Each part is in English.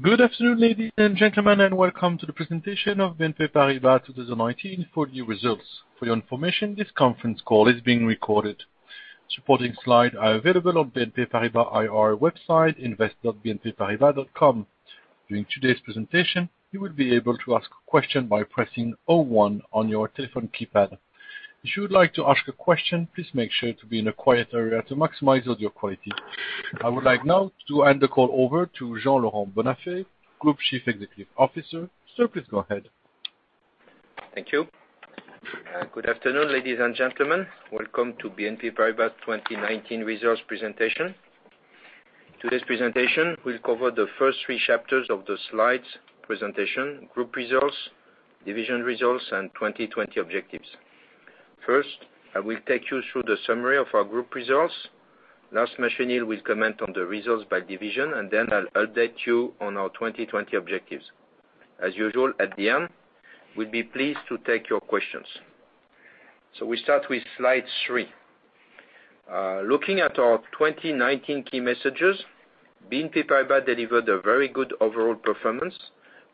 Good afternoon, ladies and gentlemen, and welcome to the presentation of BNP Paribas 2019 full-year results. For your information, this conference call is being recorded. Supporting slides are available on BNP Paribas IR website, invest.bnpparibas.com. During today's presentation, you will be able to ask a question by pressing 01 on your telephone keypad. If you would like to ask a question, please make sure to be in a quiet area to maximize audio quality. I would like now to hand the call over to Jean-Laurent Bonnafé, Group Chief Executive Officer. Sir, please go ahead. Thank you. Good afternoon, ladies and gentlemen. Welcome to BNP Paribas 2019 results presentation. Today's presentation will cover the first three chapters of the slides presentation, group results, division results, and 2020 objectives. First, I will take you through the summary of our group results. Lars Machenil will comment on the results by division, and then I'll update you on our 2020 objectives. As usual, at the end, we'd be pleased to take your questions. We start with slide three. Looking at our 2019 key messages, BNP Paribas delivered a very good overall performance,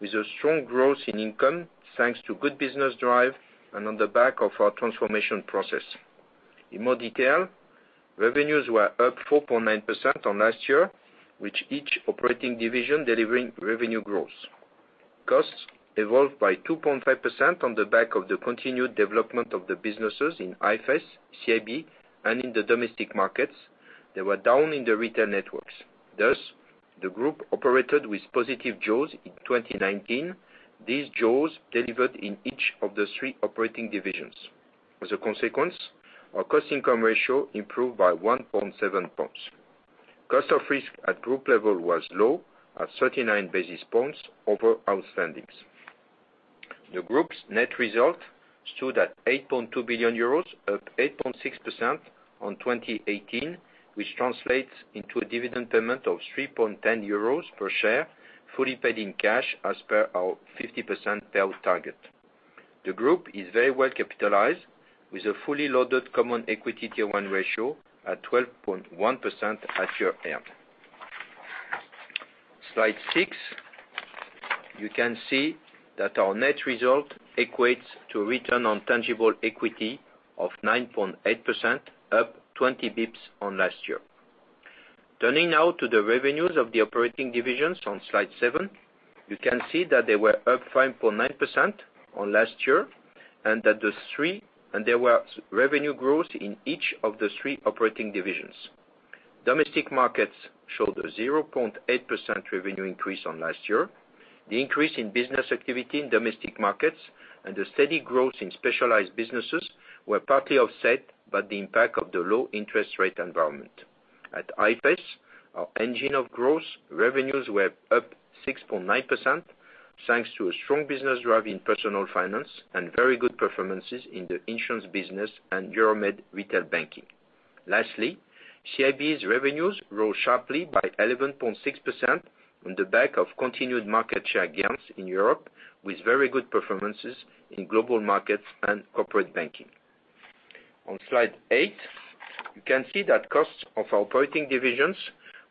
with a strong growth in income, thanks to good business drive and on the back of our transformation process. In more detail, revenues were up 4.9% on last year, with each operating division delivering revenue growth. Costs evolved by 2.1% on the back of the continued development of the businesses in IFS, CIB, and in the Domestic Markets. They were down in the retail networks. The group operated with positive jaws in 2019. These jaws delivered in each of the three operating divisions. Our pre-tax income ratio improved by 1.7 points. Cost of risk at group level was low, at 39 basis points over outstandings. The group's net result stood at 8.2 billion euros, up 8.6% on 2018, which translates into a dividend payment of 3.10 euros per share, fully paid in cash as per our 50% payout target. The group is very well-capitalized, with a fully loaded Common Equity Tier 1 ratio at 12.1% at year-end. Slide six, you can see that our net result equates to return on tangible equity of 9.8%, up 20 basis points on last year. Turning now to the revenues of the operating divisions on slide seven, you can see that they were up 5.9% on last year, and there was revenue growth in each of the three operating divisions. Domestic Markets showed a 0.8% revenue increase on last year. The increase in business activity in Domestic Markets and the steady growth in specialized businesses were partly offset by the impact of the low interest rate environment. At IFS, our engine of growth, revenues were up 6.9%, thanks to a strong business drive in personal finance and very good performances in the insurance business and Euromed retail banking. Lastly, CIB's revenues grew sharply by 11.6% on the back of continued market share gains in Europe, with very good performances in global markets and corporate banking. On slide eight, you can see that costs of our operating divisions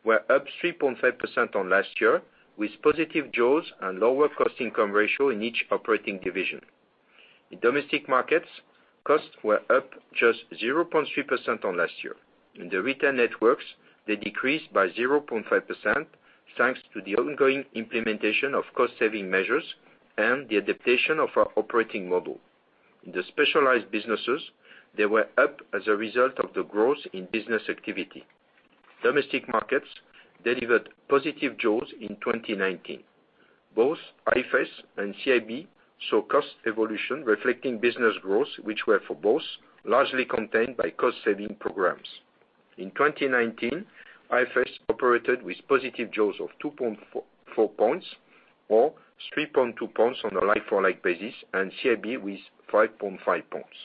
were up 3.5% on last year, with positive jaws and lower pre-tax income ratio in each operating division. In Domestic Markets, costs were up just 0.3% on last year. In the retail networks, they decreased by 0.5%, thanks to the ongoing implementation of cost-saving measures and the adaptation of our operating model. In the specialized businesses, they were up as a result of the growth in business activity. Domestic Markets delivered positive jaws in 2019. Both IFS and CIB saw cost evolution reflecting business growth, which were for both largely contained by cost-saving programs. In 2019, IFS operated with positive jaws of 2.4 points or 3.2 points on a like-for-like basis, and CIB with 5.5 points.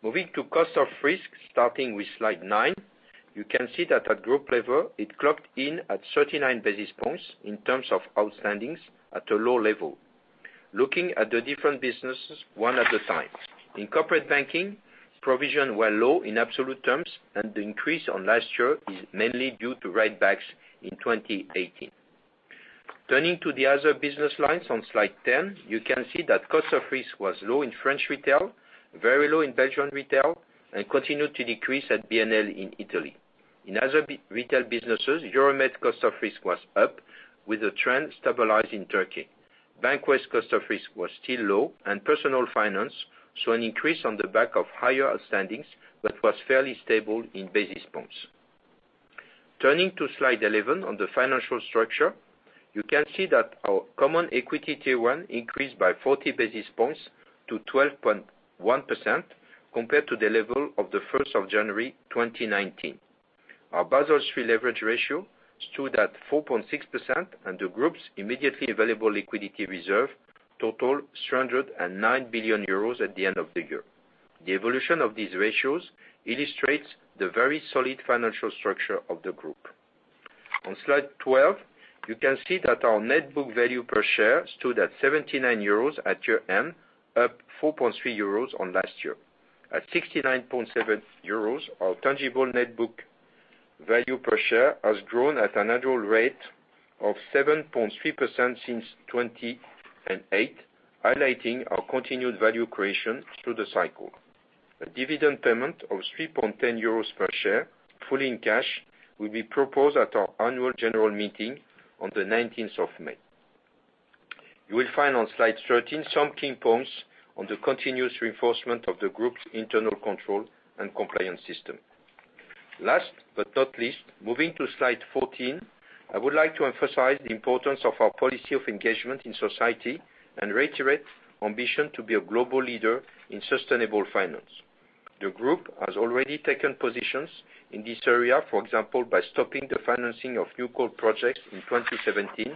Moving to cost of risk, starting with slide nine, you can see that at group level, it clocked in at 39 basis points in terms of outstandings at a low level. Looking at the different businesses one at a time. In corporate banking, provisions were low in absolute terms, and the increase on last year is mainly due to write-backs in 2018. Turning to the other business lines on slide 10, you can see that cost of risk was low in French retail, very low in Belgian retail, and continued to decrease at BNL in Italy. In other retail businesses, Euromed cost of risk was up, with the trend stabilized in Turkey. BancWest cost of risk was still low, and Personal Finance saw an increase on the back of higher outstandings, but was fairly stable in basis points. Turning to slide 11 on the financial structure, you can see that our Common Equity Tier 1 increased by 40 basis points to 12.1%, compared to the level of the 1st of January 2019. Our Basel III leverage ratio stood at 4.6%, and the group's immediately available liquidity reserve totaled 309 billion euros at the end of the year. The evolution of these ratios illustrates the very solid financial structure of the group. On slide 12, you can see that our net book value per share stood at 79 euros at year-end, up 4.3 euros on last year. At 69.7 euros, our tangible net book value per share has grown at an annual rate of 7.3% since 2008, highlighting our continued value creation through the cycle. A dividend payment of 3.10 euros per share, fully in cash, will be proposed at our annual general meeting on the 19th of May. You will find on slide 13 some key points on the continuous reinforcement of the Group's internal control and compliance system. Last but not least, moving to slide 14, I would like to emphasize the importance of our policy of engagement in society, and reiterate ambition to be a global leader in sustainable finance. The Group has already taken positions in this area, for example, by stopping the financing of new coal projects in 2017,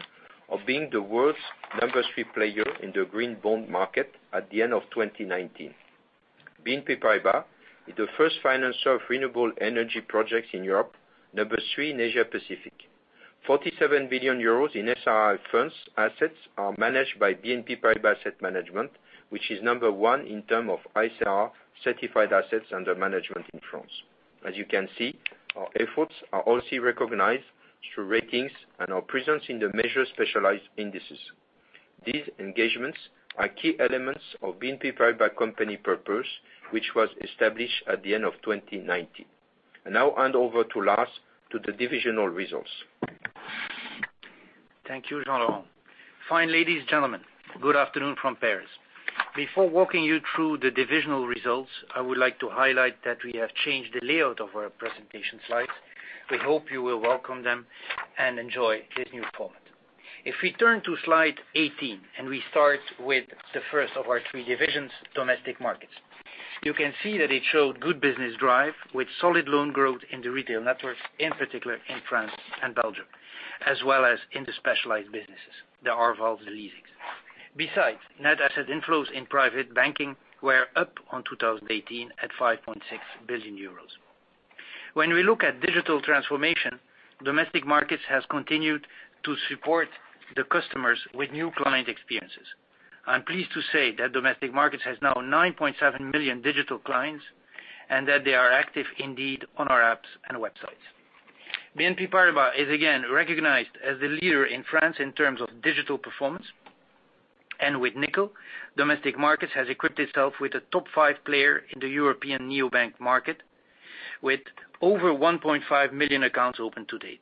of being the world's number 3 player in the green bond market at the end of 2019. BNP Paribas is the first financer of renewable energy projects in Europe, number 3 in Asia-Pacific. 47 billion euros in SRI funds assets are managed by BNP Paribas Asset Management, which is number 1 in term of ISR-certified assets under management in France. As you can see, our efforts are also recognized through ratings and our presence in the major specialized indices. These engagements are key elements of BNP Paribas company purpose, which was established at the end of 2019. I now hand over to Lars, to the divisional results. Thank you, Jean-Laurent. Fine ladies & gentlemen, good afternoon from Paris. Before walking you through the divisional results, I would like to highlight that we have changed the layout of our presentation slides. We hope you will welcome them and enjoy this new format. If we turn to slide 18, we start with the first of our three divisions, Domestic Markets. You can see that it showed good business drive with solid loan growth in the retail networks, in particular, in France and Belgium, as well as in the specialized businesses, the Arval and leasing. Besides, net asset inflows in private banking were up on 2018, at 5.6 billion euros. When we look at digital transformation, Domestic Markets has continued to support the customers with new client experiences. I'm pleased to say that Domestic Markets has now 9.7 million digital clients, that they are active indeed on our apps and websites. BNP Paribas is again recognized as the leader in France in terms of digital performance. With Nickel, Domestic Markets has equipped itself with a top five player in the European neobank market, with over 1.5 million accounts open to date.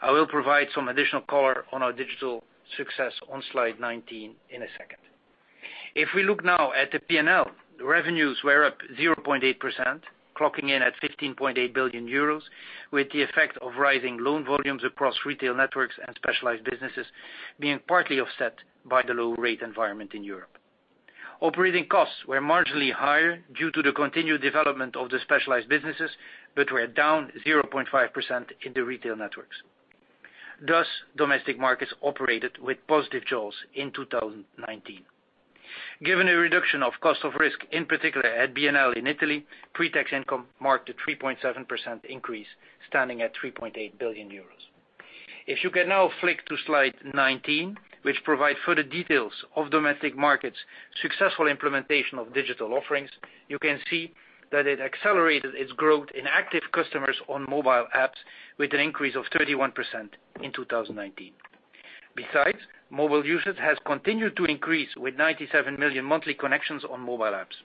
I will provide some additional color on our digital success on slide 19 in a second. If we look now at the P&L, the revenues were up 0.8%, clocking in at €15.8 billion, with the effect of rising loan volumes across retail networks and specialized businesses being partly offset by the low rate environment in Europe. Operating costs were marginally higher due to the continued development of the specialized businesses, were down 0.5% in the retail networks. Thus, Domestic Markets operated with positive jaws in 2019. Given a reduction of cost of risk, in particular at BNL in Italy, pre-tax income marked a 3.7% increase, standing at 3.8 billion euros. If you can now flick to slide 19, which provide further details of Domestic Markets' successful implementation of digital offerings, you can see that it accelerated its growth in active customers on mobile apps with an increase of 31% in 2019. Besides, mobile usage has continued to increase with 97 million monthly connections on mobile apps.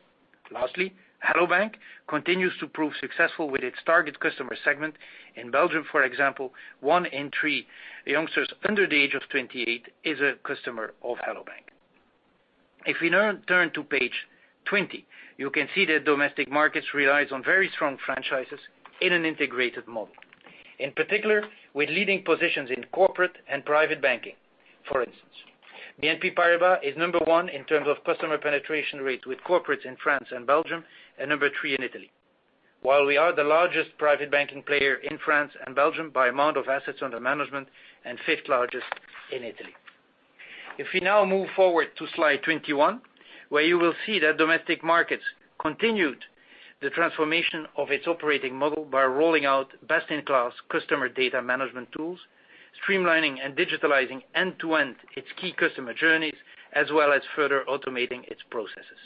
Lastly, Hello bank! continues to prove successful with its target customer segment. In Belgium, for example, one in three youngsters under the age of 28 is a customer of Hello bank!. If we now turn to page 20, you can see that Domestic Markets relies on very strong franchises in an integrated model. In particular, with leading positions in corporate and private banking. For instance, BNP Paribas is number one in terms of customer penetration rates with corporates in France and Belgium, and number three in Italy. While we are the largest private banking player in France and Belgium by amount of assets under management, and fifth largest in Italy. If we now move forward to slide 21, where you will see that Domestic Markets continued the transformation of its operating model by rolling out best-in-class customer data management tools, streamlining and digitalizing end-to-end its key customer journeys, as well as further automating its processes.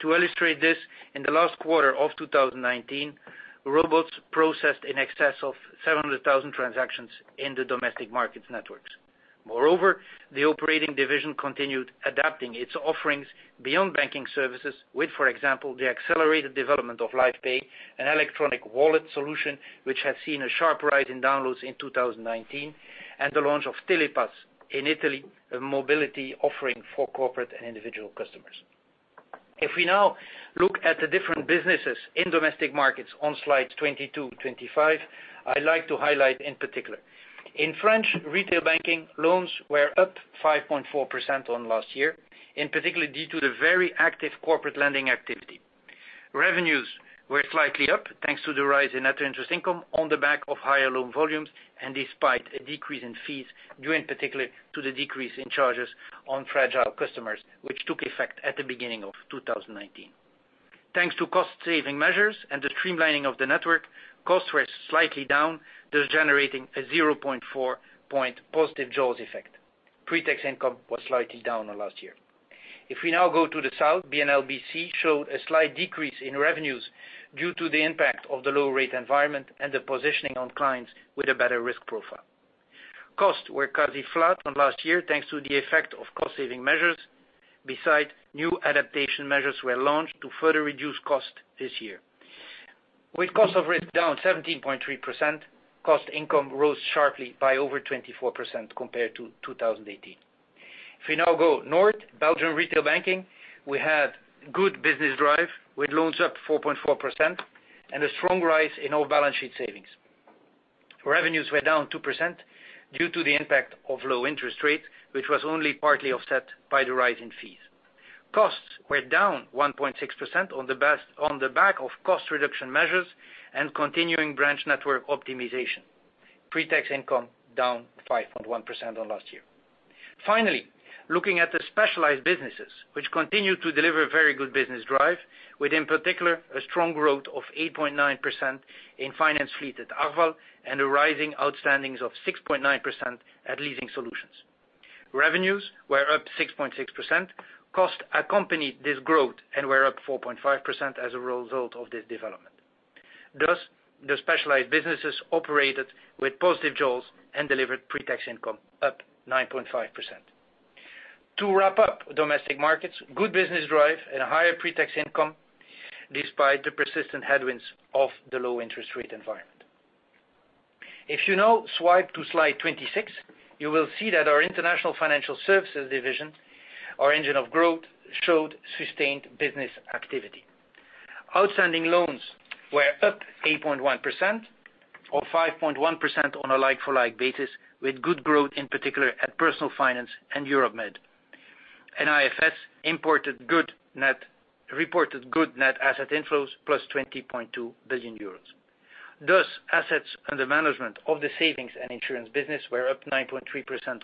To illustrate this, in the last quarter of 2019, robots processed in excess of 700,000 transactions in the Domestic Markets networks. Moreover, the operating division continued adapting its offerings beyond banking services with, for example, the accelerated development of Lyf Pay, an electronic wallet solution, which has seen a sharp rise in downloads in 2019, and the launch of Telepass in Italy, a mobility offering for corporate and individual customers. If we now look at the different businesses in Domestic Markets on slides 22, 25, I like to highlight in particular. In French retail banking, loans were up 5.4% on last year, in particular due to the very active corporate lending activity. Revenues were slightly up, thanks to the rise in net interest income on the back of higher loan volumes and despite a decrease in fees due in particular to the decrease in charges on fragile customers, which took effect at the beginning of 2019. Thanks to cost-saving measures and the streamlining of the network, costs were slightly down, thus generating a 0.4-point positive jaws effect. Pre-tax income was slightly down on last year. If we now go to the South, BNL bc showed a slight decrease in revenues due to the impact of the low rate environment and the positioning on clients with a better risk profile. Costs were quasi flat on last year, thanks to the effect of cost-saving measures. Beside, new adaptation measures were launched to further reduce cost this year. With cost of risk down 17.3%, pre-tax income rose sharply by over 24% compared to 2018. If we now go North, Belgian retail banking, we had good business drive with loans up 4.4% and a strong rise in all balance sheet savings. Revenues were down 2% due to the impact of low interest rates, which was only partly offset by the rise in fees. Costs were down 1.6% on the back of cost reduction measures and continuing branch network optimization. Pre-tax income down 5.1% on last year. Finally, looking at the specialized businesses, which continue to deliver very good business drive with in particular a strong growth of 8.9% in financed fleet at Arval and a rising outstandings of 6.9% at Leasing Solutions. Revenues were up 6.6%. Cost accompanied this growth and were up 4.5% as a result of this development. The specialized businesses operated with positive jaws and delivered pre-tax income up 9.5%. To wrap up Domestic Markets, good business drive and a higher pre-tax income despite the persistent headwinds of the low interest rate environment. If you now swipe to slide 26, you will see that our International Financial Services division, our engine of growth, showed sustained business activity. Outstanding loans were up 8.1% or 5.1% on a like-for-like basis with good growth in particular at Personal Finance and Euromed. IFS reported good net asset inflows plus 20.2 billion euros. Assets under management of the savings and insurance business were up 9.3%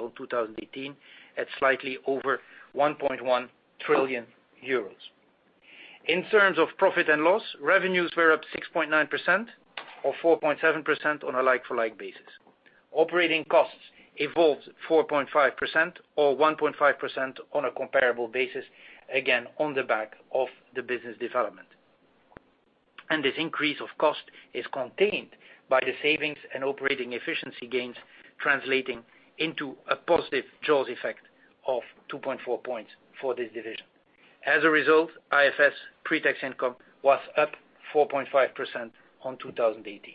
on 2018 at slightly over 1.1 trillion euros. In terms of profit and loss, revenues were up 6.9% or 4.7% on a like-for-like basis. Operating costs evolved 4.5% or 1.5% on a comparable basis, again, on the back of the business development. This increase of cost is contained by the savings and operating efficiency gains translating into a positive jaws effect of 2.4 points for this division. As a result, IFS pre-tax income was up 4.5% on 2018.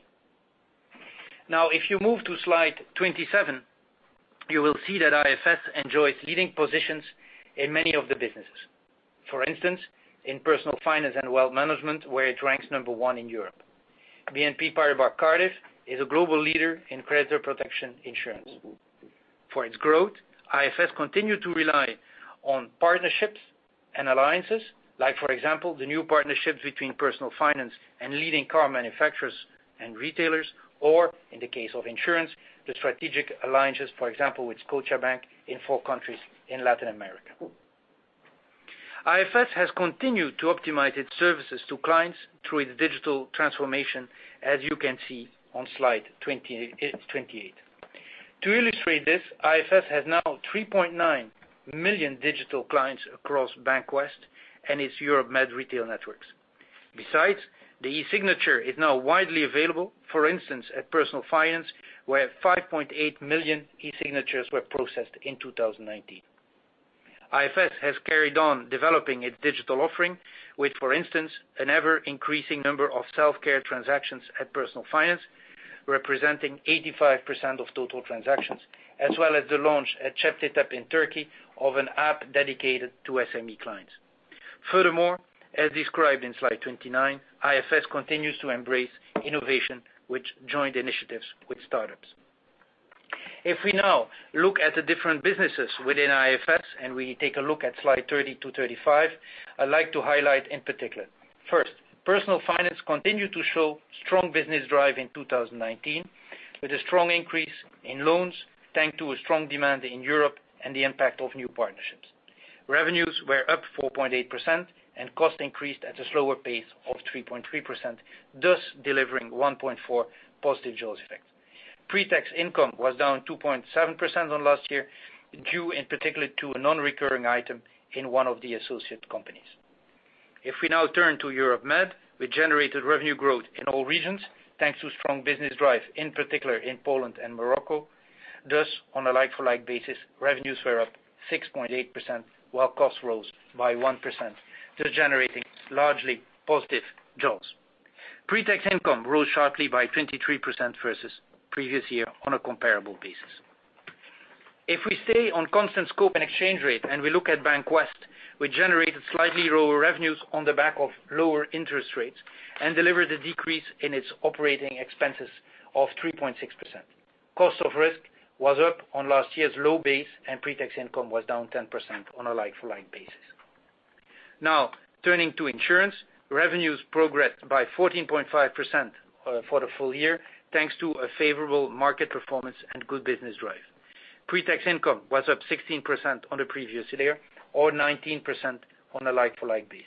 If you move to slide 27, you will see that IFS enjoys leading positions in many of the businesses. For instance, in Personal Finance and wealth management, where it ranks number one in Europe. BNP Paribas Cardif is a global leader in credit protection insurance. For its growth, IFS continued to rely on partnerships and alliances, like for example, the new partnerships between Personal Finance and leading car manufacturers and retailers, or in the case of insurance, the strategic alliances, for example, with Scotiabank in four countries in Latin America. IFS has continued to optimize its services to clients through its digital transformation, as you can see on slide 28. To illustrate this, IFS has now 3.9 million digital clients across BancWest and its Euromed retail networks. Besides, the e-signature is now widely available, for instance, at Personal Finance, where 5.8 million e-signatures were processed in 2019. IFS has carried on developing its digital offering with, for instance, an ever-increasing number of self-care transactions at Personal Finance, representing 85% of total transactions, as well as the launch at CEPTETEB İŞTE in Turkey of an app dedicated to SME clients. Furthermore, as described in slide 29, IFS continues to embrace innovation with joint initiatives with startups. If we now look at the different businesses within IFS and we take a look at slide 30 to 35, I'd like to highlight in particular. First, Personal Finance continued to show strong business drive in 2019, with a strong increase in loans, thanks to a strong demand in Europe and the impact of new partnerships. Revenues were up 4.8% and cost increased at a slower pace of 3.3%, thus delivering 1.4 positive jaws effect. Pre-tax income was down 2.7% on last year, due in particular to a non-recurring item in one of the associate companies. If we now turn to Euromed, we generated revenue growth in all regions, thanks to strong business drive, in particular in Poland and Morocco. On a like-for-like basis, revenues were up 6.8%, while cost rose by 1%, thus generating largely positive jaws. Pre-tax income rose sharply by 23% versus previous year on a comparable basis. If we stay on constant scope and exchange rate and we look at BancWest, we generated slightly lower revenues on the back of lower interest rates and delivered a decrease in its operating expenses of 3.6%. Cost of risk was up on last year's low base and pre-tax income was down 10% on a like-for-like basis. Turning to insurance, revenues progressed by 14.5% for the full year, thanks to a favorable market performance and good business drive. Pre-tax income was up 16% on the previous year or 19% on a like-for-like basis.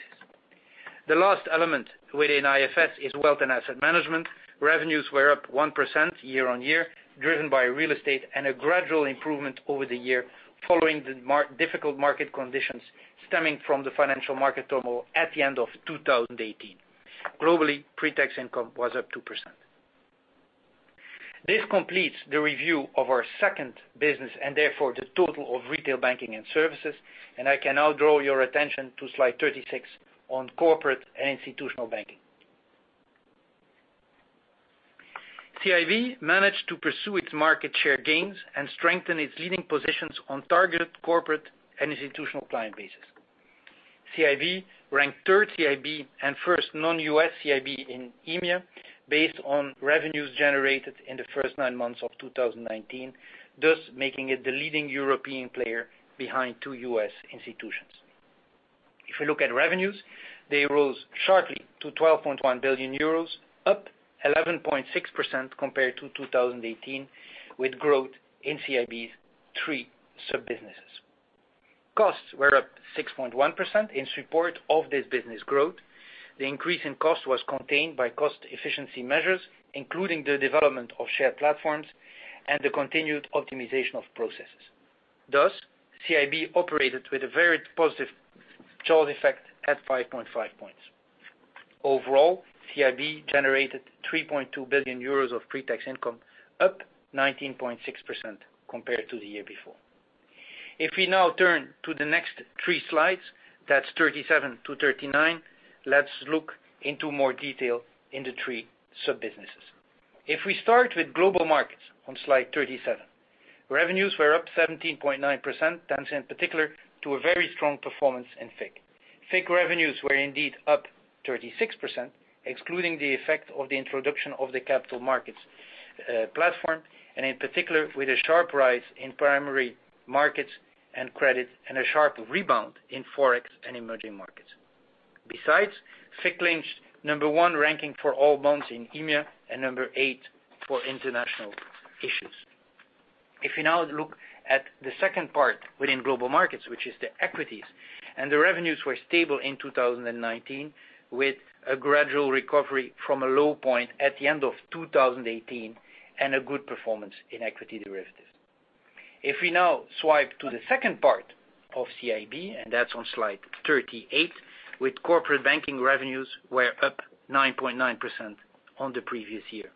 The last element within IFS is wealth and asset management. Revenues were up 1% year-on-year, driven by real estate and a gradual improvement over the year, following the difficult market conditions stemming from the financial market turmoil at the end of 2018. Globally, Pre-tax income was up 2%. This completes the review of our second business and therefore the total of retail banking and services. I can now draw your attention to slide 36 on Corporate and Institutional Banking. CIB managed to pursue its market share gains and strengthen its leading positions on targeted corporate and institutional client bases. CIB ranked third CIB and first non-U.S. CIB in EMEA, based on revenues generated in the first nine months of 2019, thus making it the leading European player behind two U.S. institutions. If we look at revenues, they rose sharply to 12.1 billion euros, up 11.6% compared to 2018, with growth in CIB's three sub-businesses. Costs were up 6.1% in support of this business growth. The increase in cost was contained by cost efficiency measures, including the development of shared platforms and the continued optimization of processes. Thus, CIB operated with a very positive jaws effect at 5.5 points. Overall, CIB generated 3.2 billion euros of pre-tax income, up 19.6% compared to the year before. If we now turn to the next three slides, that's 37 to 39, let's look into more detail in the three sub-businesses. If we start with global markets on Slide 37, revenues were up 17.9%, thanks in particular to a very strong performance in FICC. FICC revenues were indeed up 36%, excluding the effect of the introduction of the capital markets platform, and in particular with a sharp rise in primary markets and credit, and a sharp rebound in Forex and emerging markets. Besides, FICC ranked number one ranking for all bonds in EMEA, and number eight for international issues. If we now look at the second part within global markets, which is the equities, and the revenues were stable in 2019, with a gradual recovery from a low point at the end of 2018, and a good performance in equity derivatives. If we now swipe to the second part of CIB, and that's on slide 38, with corporate banking revenues were up 9.9% on the previous year.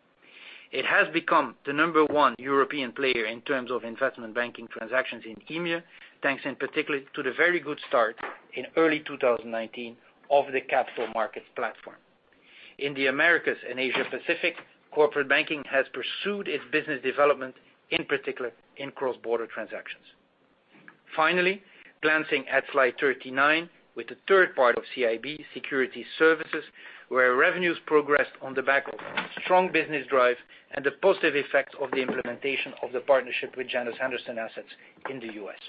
It has become the number one European player in terms of investment banking transactions in EMEA, thanks in particular to the very good start in early 2019 of the capital markets platform. In the Americas and Asia-Pacific, corporate banking has pursued its business development, in particular in cross-border transactions. Finally, glancing at slide 39, with the third part of CIB, Securities Services, where revenues progressed on the back of strong business drive and the positive effect of the implementation of the partnership with Janus Henderson Assets in the U.S.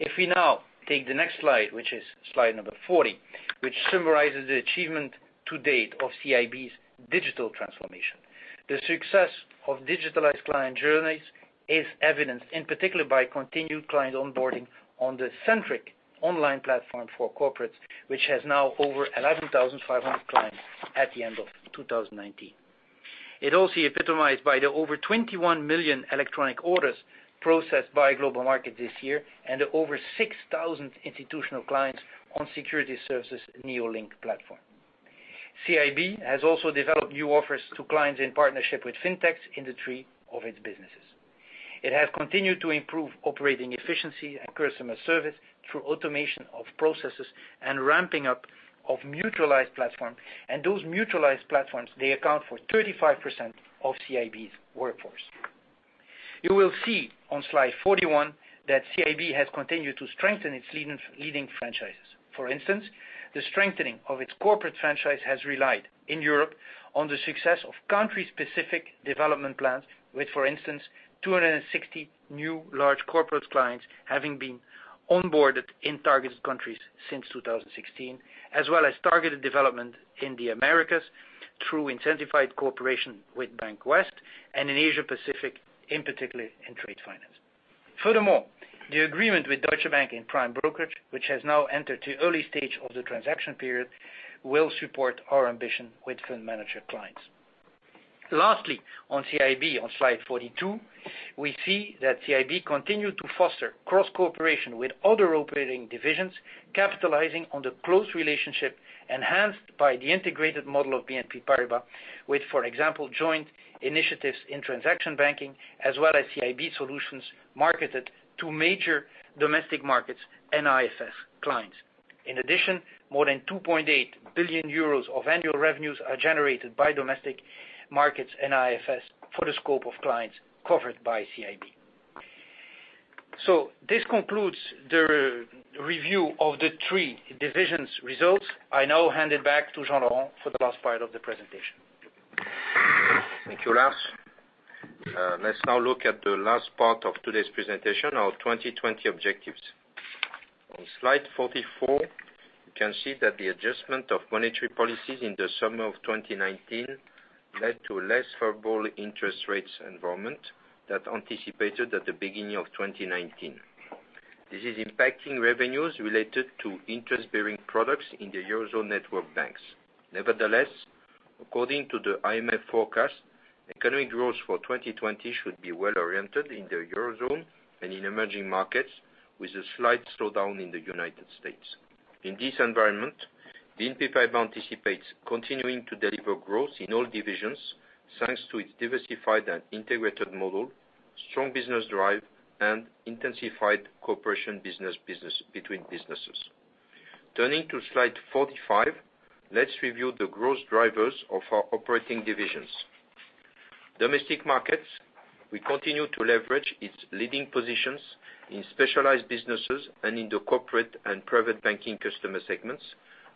If we now take the next slide, which is slide number 40, which summarizes the achievement to date of CIB's digital transformation. The success of digitalized client journeys is evidenced in particular by continued client onboarding on the Centric online platform for corporates, which has now over 11,500 clients at the end of 2019. It also epitomized by the over 21 million electronic orders processed by Global Markets this year, and over 6,000 institutional clients on Securities Services NeoLink platform. CIB has also developed new offers to clients in partnership with Fintechs in the three of its businesses. It has continued to improve operating efficiency and customer service through automation of processes and ramping up of mutualized platform. Those mutualized platforms, they account for 35% of CIB's workforce. You will see on slide 41 that CIB has continued to strengthen its leading franchises. For instance, the strengthening of its corporate franchise has relied in Europe on the success of country-specific development plans, with, for instance, 260 new large corporate clients having been onboarded in targeted countries since 2016, as well as targeted development in the Americas through intensified cooperation with BancWest, and in Asia-Pacific, in particular in trade finance. Furthermore, the agreement with Deutsche Bank in prime brokerage, which has now entered the early stage of the transaction period, will support our ambition with fund manager clients. Lastly, on CIB on slide 42, we see that CIB continued to foster cross-cooperation with other operating divisions, capitalizing on the close relationship enhanced by the integrated model of BNP Paribas with, for example, joint initiatives in transaction banking as well as CIB solutions marketed to major Domestic Markets and IFS clients. In addition, more than 2.8 billion euros of annual revenues are generated by Domestic Markets and IFS for the scope of clients covered by CIB. This concludes the review of the three divisions' results. I now hand it back to Jean-Laurent for the last part of the presentation. Thank you, Lars. Let's now look at the last part of today's presentation, our 2020 objectives. On slide 44, you can see that the adjustment of monetary policies in the summer of 2019 led to a less favorable interest rates environment than anticipated at the beginning of 2019. This is impacting revenues related to interest-bearing products in the Eurozone network banks. According to the IMF forecast, economic growth for 2020 should be well-oriented in the Eurozone and in emerging markets, with a slight slowdown in the United States. In this environment, BNP Paribas anticipates continuing to deliver growth in all divisions, thanks to its diversified and integrated model, strong business drive, and intensified cooperation between businesses. Turning to slide 45, let's review the growth drivers of our operating divisions. Domestic Markets, we continue to leverage its leading positions in specialized businesses and in the corporate and private banking customer segments,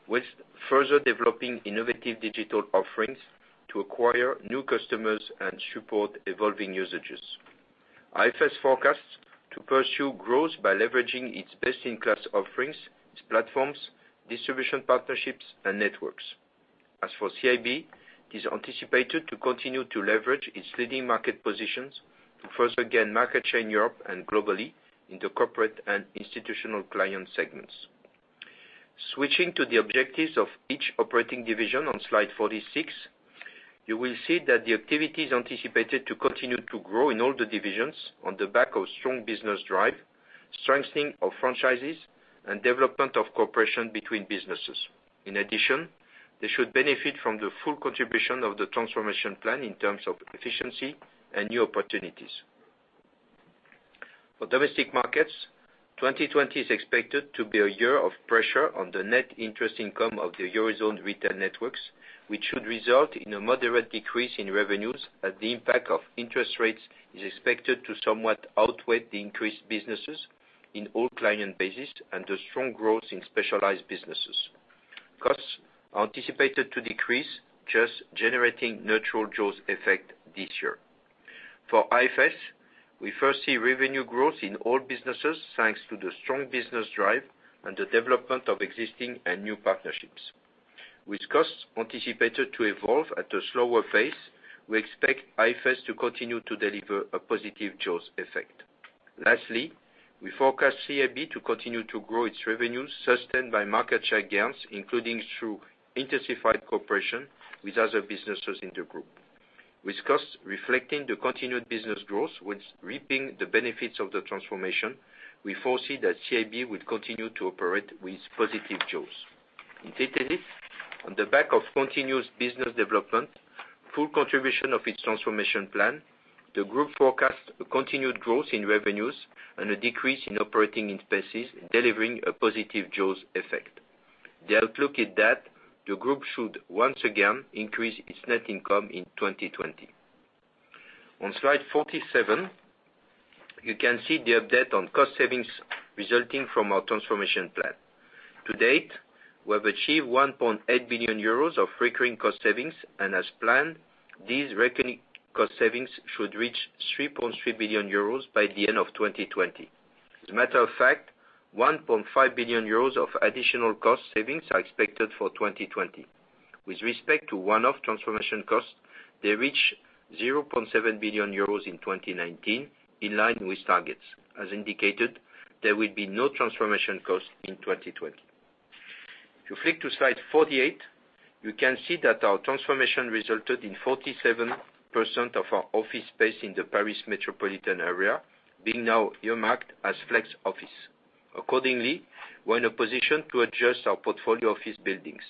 with further developing innovative digital offerings to acquire new customers and support evolving usages. IFS forecasts to pursue growth by leveraging its best-in-class offerings, its platforms, distribution partnerships, and networks. As for CIB, it is anticipated to continue to leverage its leading market positions to further gain market share in Europe and globally in the corporate and institutional client segments. Switching to the objectives of each operating division on Slide 46, you will see that the activity is anticipated to continue to grow in all the divisions on the back of strong business drive, strengthening of franchises, and development of cooperation between businesses. In addition, they should benefit from the full contribution of the transformation plan in terms of efficiency and new opportunities. For Domestic Markets, 2020 is expected to be a year of pressure on the net interest income of the Eurozone retail networks, which should result in a moderate decrease in revenues as the impact of interest rates is expected to somewhat outweigh the increased businesses in all client bases and the strong growth in specialized businesses. Costs are anticipated to decrease, just generating neutral jaws effect this year. For IFS, we foresee revenue growth in all businesses thanks to the strong business drive and the development of existing and new partnerships. With costs anticipated to evolve at a slower pace, we expect IFS to continue to deliver a positive jaws effect. Lastly, we forecast CIB to continue to grow its revenues sustained by market share gains, including through intensified cooperation with other businesses in the group. With costs reflecting the continued business growth, while reaping the benefits of the transformation, we foresee that CIB will continue to operate with positive jaws. In totality, on the back of continuous business development, full contribution of its transformation plan, the group forecasts a continued growth in revenues and a decrease in operating expenses, delivering a positive jaws effect. The outlook is that the group should once again increase its net income in 2020. On slide 47, you can see the update on cost savings resulting from our transformation plan. To date, we have achieved 1.8 billion euros of recurring cost savings, and as planned, these recurring cost savings should reach 3.3 billion euros by the end of 2020. As a matter of fact, 1.5 billion euros of additional cost savings are expected for 2020. With respect to one-off transformation costs, they reach 0.7 billion euros in 2019, in line with targets. As indicated, there will be no transformation costs in 2020. If you flick to slide 48, you can see that our transformation resulted in 47% of our office space in the Paris metropolitan area, being now earmarked as flex office. Accordingly, we're in a position to adjust our portfolio office buildings.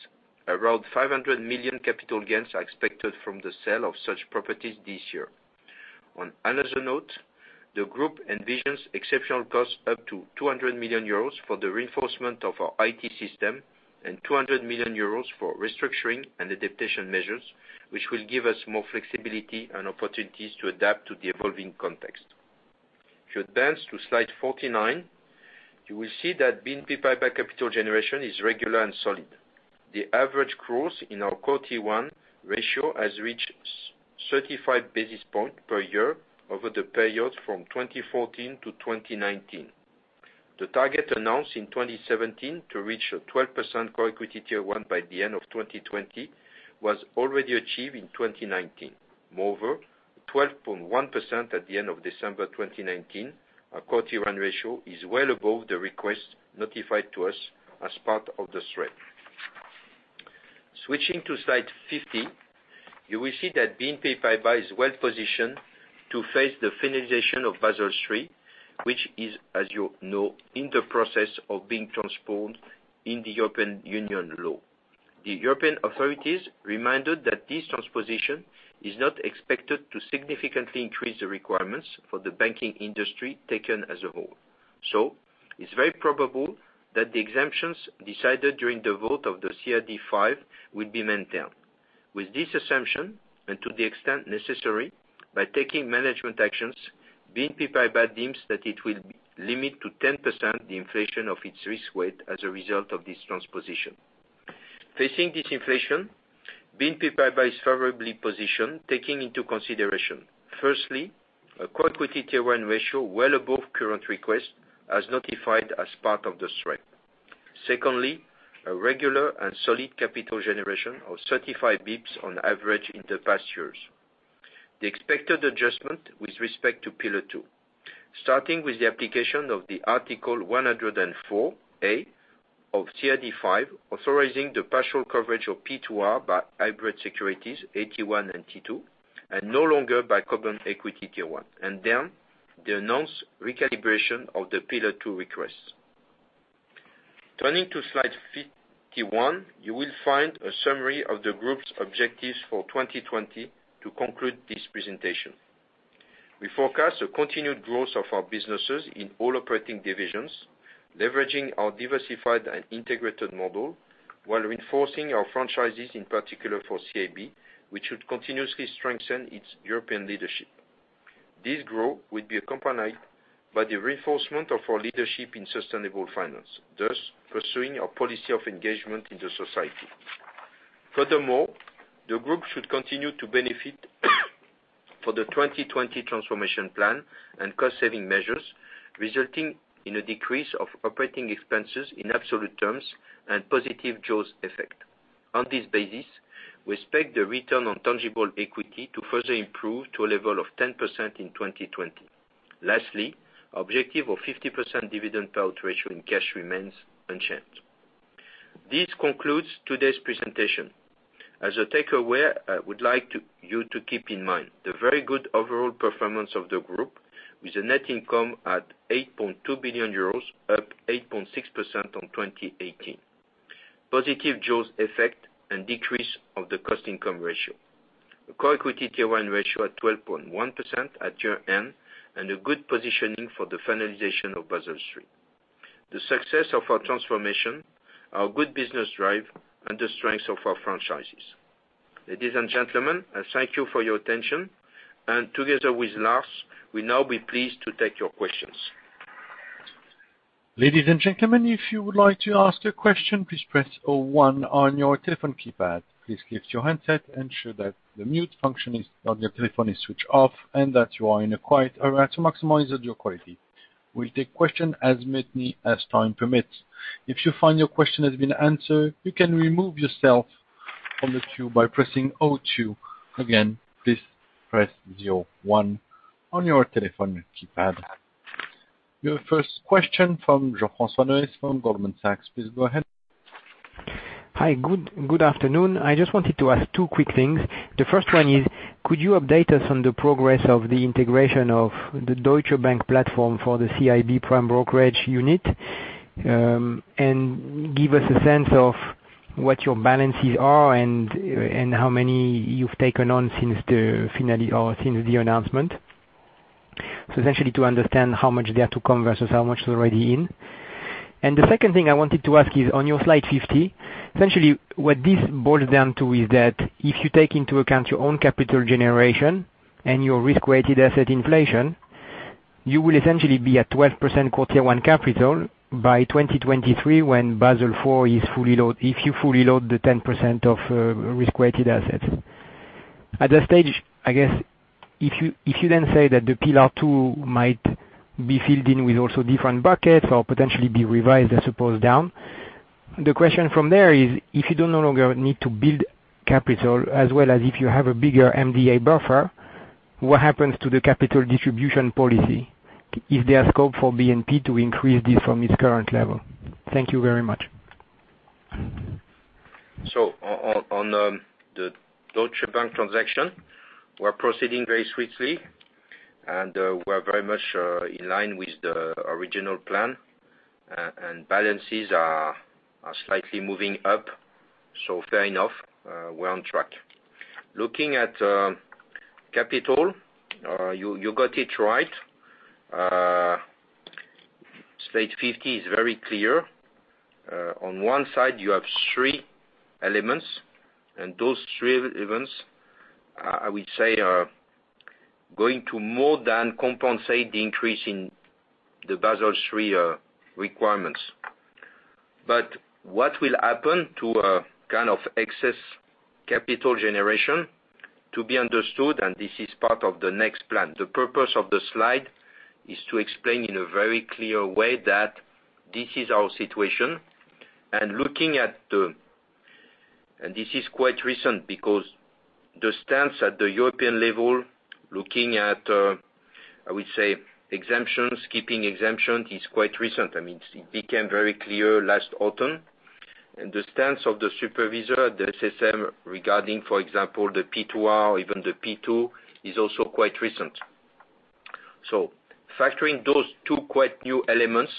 Around 500 million capital gains are expected from the sale of such properties this year. On another note, the group envisions exceptional costs up to 200 million euros for the reinforcement of our IT system and 200 million euros for restructuring and adaptation measures, which will give us more flexibility and opportunities to adapt to the evolving context. If you advance to slide 49, you will see that BNP Paribas capital generation is regular and solid. The average growth in our Core Tier 1 ratio has reached 35 basis points per year over the period from 2014 to 2019. The target announced in 2017 to reach a 12% Core Equity Tier 1 by the end of 2020 was already achieved in 2019. Moreover, 12.1% at the end of December 2019, our Core Tier 1 ratio is well above the request notified to us as part of the SREP. Switching to slide 50, you will see that BNP Paribas is well positioned to face the finalization of Basel III, which is, as you know, in the process of being transposed in the European Union law. The European authorities reminded that this transposition is not expected to significantly increase the requirements for the banking industry taken as a whole. It's very probable that the exemptions decided during the vote of the CRD V will be maintained. With this assumption, and to the extent necessary, by taking management actions, BNP Paribas deems that it will limit to 10% the inflation of its risk weight as a result of this transposition. Facing this inflation, BNP Paribas is favorably positioned, taking into consideration, firstly, a Core Equity Tier 1 ratio well above current request, as notified as part of the SREP. Secondly, a regular and solid capital generation of 35 basis points on average in the past years. The expected adjustment with respect to Pillar 2, starting with the application of the Article 104a of CRD V, authorizing the partial coverage of P2R by hybrid securities AT1 and T2, and no longer by Common Equity Tier 1. The announced recalibration of the Pillar 2 request. Turning to slide 51, you will find a summary of the Group's objectives for 2020 to conclude this presentation. We forecast a continued growth of our businesses in all operating divisions, leveraging our diversified and integrated model, while reinforcing our franchises, in particular for CIB, which should continuously strengthen its European leadership. This growth will be accompanied by the reinforcement of our leadership in sustainable finance, thus pursuing our policy of engagement in the society. Furthermore, the Group should continue to benefit for the 2020 Transformation Plan and cost-saving measures, resulting in a decrease of operating expenses in absolute terms and positive jaws effect. On this basis, we expect the return on tangible equity to further improve to a level of 10% in 2020. Lastly, objective of 50% dividend payout ratio in cash remains unchanged. This concludes today's presentation. As a takeaway, I would like you to keep in mind the very good overall performance of the Group, with a net income at 8.2 billion euros, up 8.6% on 2018. Positive jaws effect and decrease of the cost-income ratio. A Core Equity Tier 1 ratio at 12.1% at year-end, and a good positioning for the finalization of Basel III. The success of our transformation, our good business drive, and the strengths of our franchises. Ladies and gentlemen, I thank you for your attention, and together with Lars, we'll now be pleased to take your questions. Ladies and gentlemen, if you would like to ask a question, please press 01 on your telephone keypad. Please keep to your handset, ensure that the mute function on your telephone is switched off, and that you are in a quiet area to maximize audio quality. We'll take questions as many as time permits. If you find your question has been answered, you can remove yourself from the queue by pressing 02. Again, please press 01 on your telephone keypad. Your first question from Jean-François Neuez from Goldman Sachs. Please go ahead. Hi, good afternoon. I just wanted to ask two quick things. The first one is, could you update us on the progress of the integration of the Deutsche Bank platform for the CIB Prime Brokerage unit? Give us a sense of what your balances are and how many you've taken on since the announcement. Essentially to understand how much there to come versus how much is already in. The second thing I wanted to ask is on your slide 50, essentially what this boils down to is that if you take into account your own capital generation and your risk-weighted asset inflation, you will essentially be at 12% core Tier 1 capital by 2023 when Basel IV, if you fully load the 10% of risk-weighted assets. At that stage, I guess, if you say that the Pillar 2 might be filled in with also different buckets or potentially be revised, I suppose, down. The question from there is, if you no longer need to build capital as well as if you have a bigger MDA buffer, what happens to the capital distribution policy? Is there a scope for BNP to increase this from its current level? Thank you very much. On the Deutsche Bank transaction, we're proceeding very swiftly, and we're very much in line with the original plan, and balances are slightly moving up, so fair enough, we're on track. Looking at capital, you got it right. Slide 50 is very clear. On one side, you have three elements, and those three elements, I would say, are going to more than compensate the increase in the Basel III requirements. What will happen to excess capital generation? To be understood, and this is part of the next plan. The purpose of the slide is to explain in a very clear way that this is our situation. This is quite recent because the stance at the European level, looking at, I would say, exemptions, keeping exemptions, is quite recent. It became very clear last autumn. The stance of the supervisor at the SSM regarding, for example, the P2R or even the P2, is also quite recent. Factoring those two quite new elements,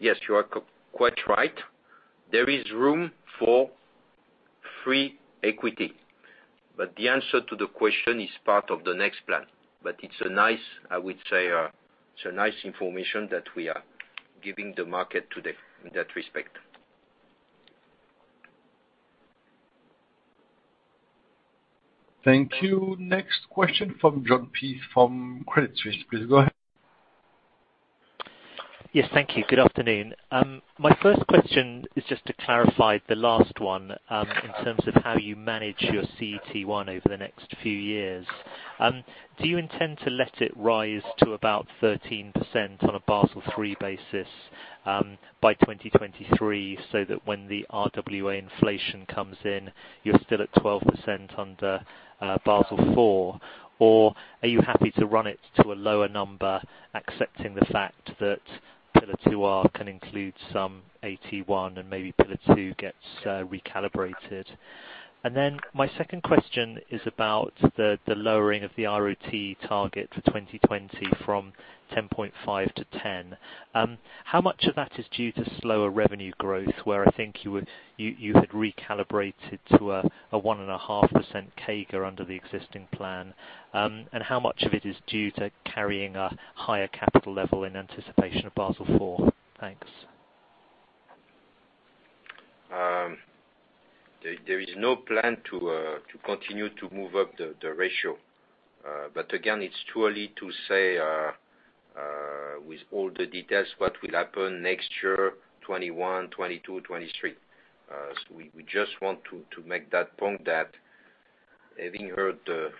yes, you are quite right. There is room for free equity. The answer to the question is part of the next plan. It's a nice information that we are giving the market today in that respect. Thank you. Next question from Jon Peace from Credit Suisse. Please go ahead. Yes, thank you. Good afternoon. My first question is just to clarify the last one, in terms of how you manage your CET1 over the next few years. Do you intend to let it rise to about 13% on a Basel III basis by 2023, so that when the RWA inflation comes in, you're still at 12% under Basel IV? Are you happy to run it to a lower number, accepting the fact that Pillar 2R can include some AT1 and maybe Pillar 2 gets recalibrated? My second question is about the lowering of the ROTE target for 2020 from 10.5 to 10. How much of that is due to slower revenue growth, where I think you had recalibrated to a 1.5% CAGR under the existing plan? How much of it is due to carrying a higher capital level in anticipation of Basel IV? Thanks. There is no plan to continue to move up the ratio. Again, it's too early to say with all the details what will happen next year, 2021, 2022, 2023. We just want to make that point that having heard the,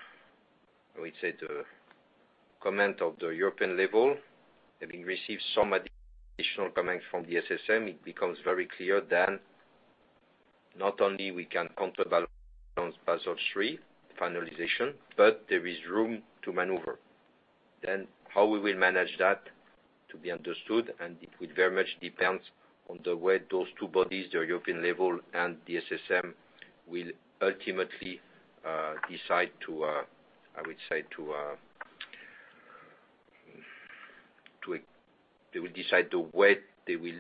I would say, the comment of the European level, having received some additional comments from the SSM, it becomes very clear that not only we can counterbalance Basel III finalization, but there is room to maneuver. How we will manage that to be understood, and it will very much depend on the way those two bodies, the European level and the SSM, will ultimately decide to, I would say, they will decide the way they will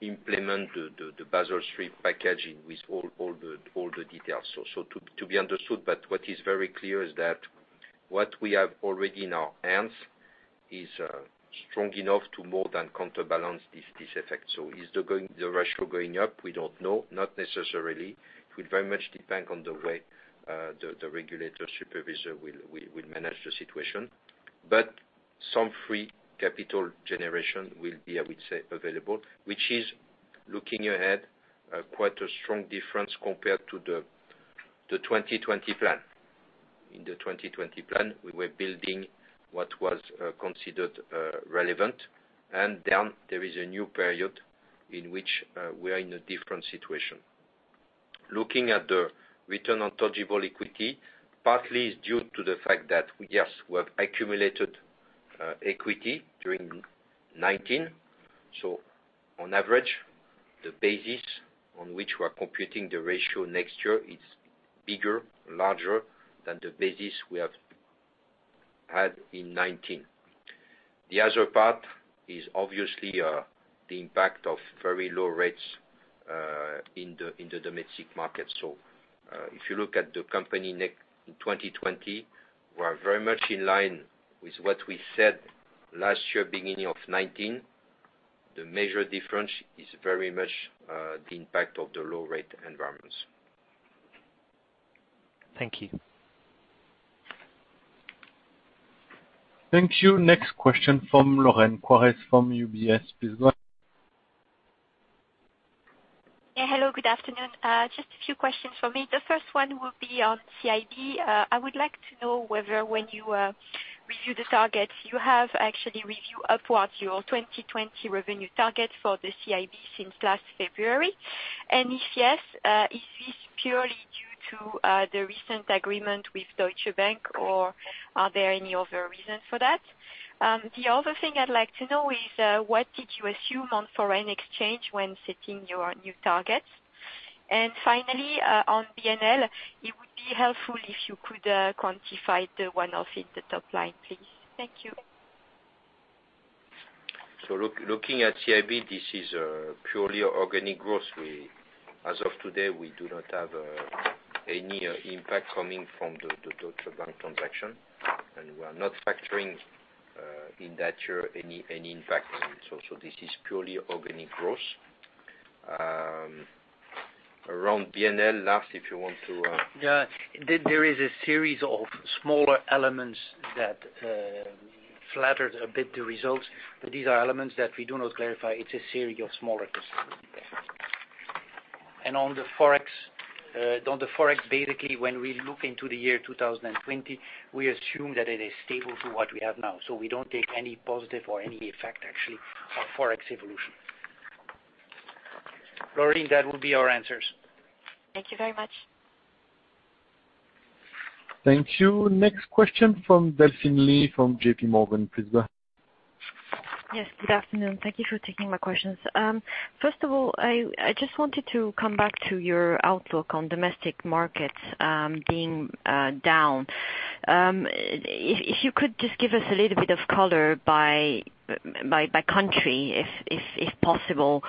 implement the Basel III package with all the details. To be understood, but what is very clear is that what we have already in our hands is strong enough to more than counterbalance this effect. Is the ratio going up? We don't know, not necessarily. It will very much depend on the way the regulator supervisor will manage the situation. Some free capital generation will be, I would say, available, which is looking ahead, quite a strong difference compared to the 2020 plan. In the 2020 plan, we were building what was considered relevant, and then there is a new period in which we are in a different situation. Looking at the return on tangible equity, partly is due to the fact that, yes, we have accumulated equity during 2019. On average, the basis on which we're computing the ratio next year is bigger, larger than the basis we have had in 2019. The other part is obviously the impact of very low rates in the domestic market. If you look at the company in 2020, we are very much in line with what we said last year, beginning of 2019. The major difference is very much the impact of the low-rate environments. Thank you. Thank you. Next question from Lorraine Quoirez from UBS. Please go ahead. Yeah. Hello, good afternoon. Just a few questions for me. The first one will be on CIB. I would like to know whether when you review the targets, you have actually reviewed upwards your 2020 revenue target for the CIB since last February. If yes, is this purely due to the recent agreement with Deutsche Bank, or are there any other reasons for that? The other thing I'd like to know is what did you assume on foreign exchange when setting your new targets? Finally, on BNL, it would be helpful if you could quantify the one-off in the top line, please. Thank you. Looking at CIB, this is a purely organic growth. As of today, we do not have any impact coming from the Deutsche Bank transaction, and we are not factoring in that any impact. This is purely organic growth. Around BNL, Lars. Yeah. There is a series of smaller elements that flattered a bit the results, but these are elements that we do not clarify. It's a series of smaller decisions. On the Forex, basically when we look into the year 2020, we assume that it is stable to what we have now. We don't take any positive or any effect, actually, on Forex evolution. Lorraine, that would be our answers. Thank you very much. Thank you. Next question from Delphine Lee from J.P. Morgan. Please go ahead. Yes, good afternoon. Thank you for taking my questions. First of all, I just wanted to come back to your outlook on Domestic Markets being down. If you could just give us a little bit of color by country, if possible.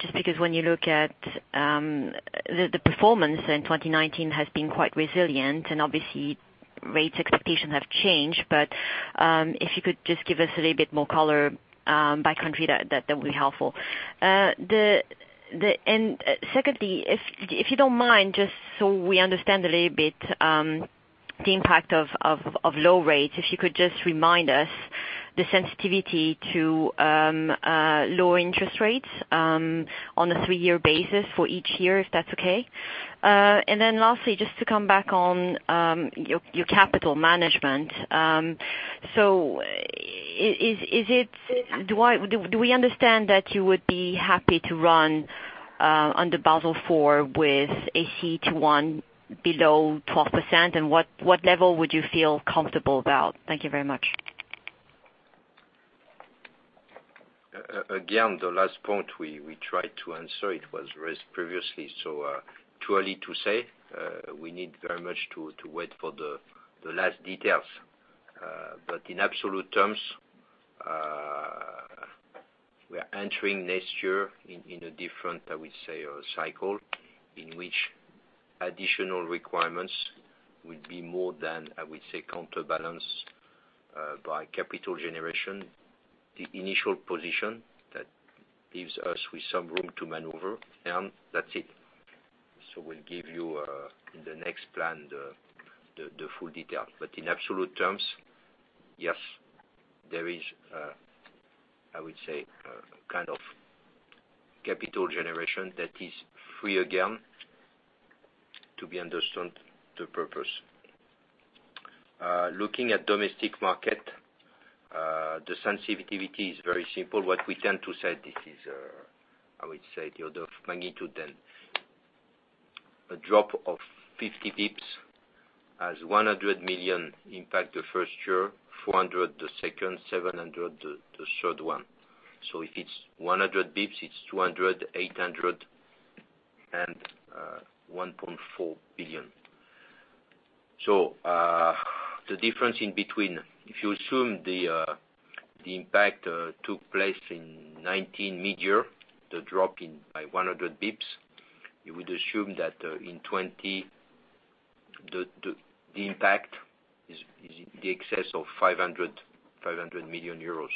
Just because when you look at the performance in 2019 has been quite resilient, and obviously rates expectations have changed. If you could just give us a little bit more color by country, that would be helpful. Secondly, if you don't mind, just so we understand a little bit the impact of low rates, if you could just remind us the sensitivity to low interest rates on a three-year basis for each year, if that's okay. Lastly, just to come back on your capital management. Do we understand that you would be happy to run under Basel IV with a CET1 below 12%? What level would you feel comfortable about? Thank you very much. The last point we tried to answer, it was raised previously, too early to say. We need very much to wait for the last details. In absolute terms, we are entering next year in a different, I would say, cycle in which additional requirements will be more than, I would say, counterbalanced by capital generation. The initial position, that leaves us with some room to maneuver, and that's it. We'll give you in the next plan the full detail. In absolute terms, yes, there is, I would say, kind of capital generation that is free again to be understood the purpose. Looking at Domestic Markets, the sensitivity is very simple. What we tend to say, this is, I would say, the order of magnitude, a drop of 50 basis points has 100 million impact the first year, 400 million the second, 700 million the third one. If it's 100 basis points, it's 200, 800, and 1.4 billion. The difference in between, if you assume the impact took place in 2019 mid-year, the drop in by 100 basis points, you would assume that in 2020, the impact is in the excess of 500 million euros.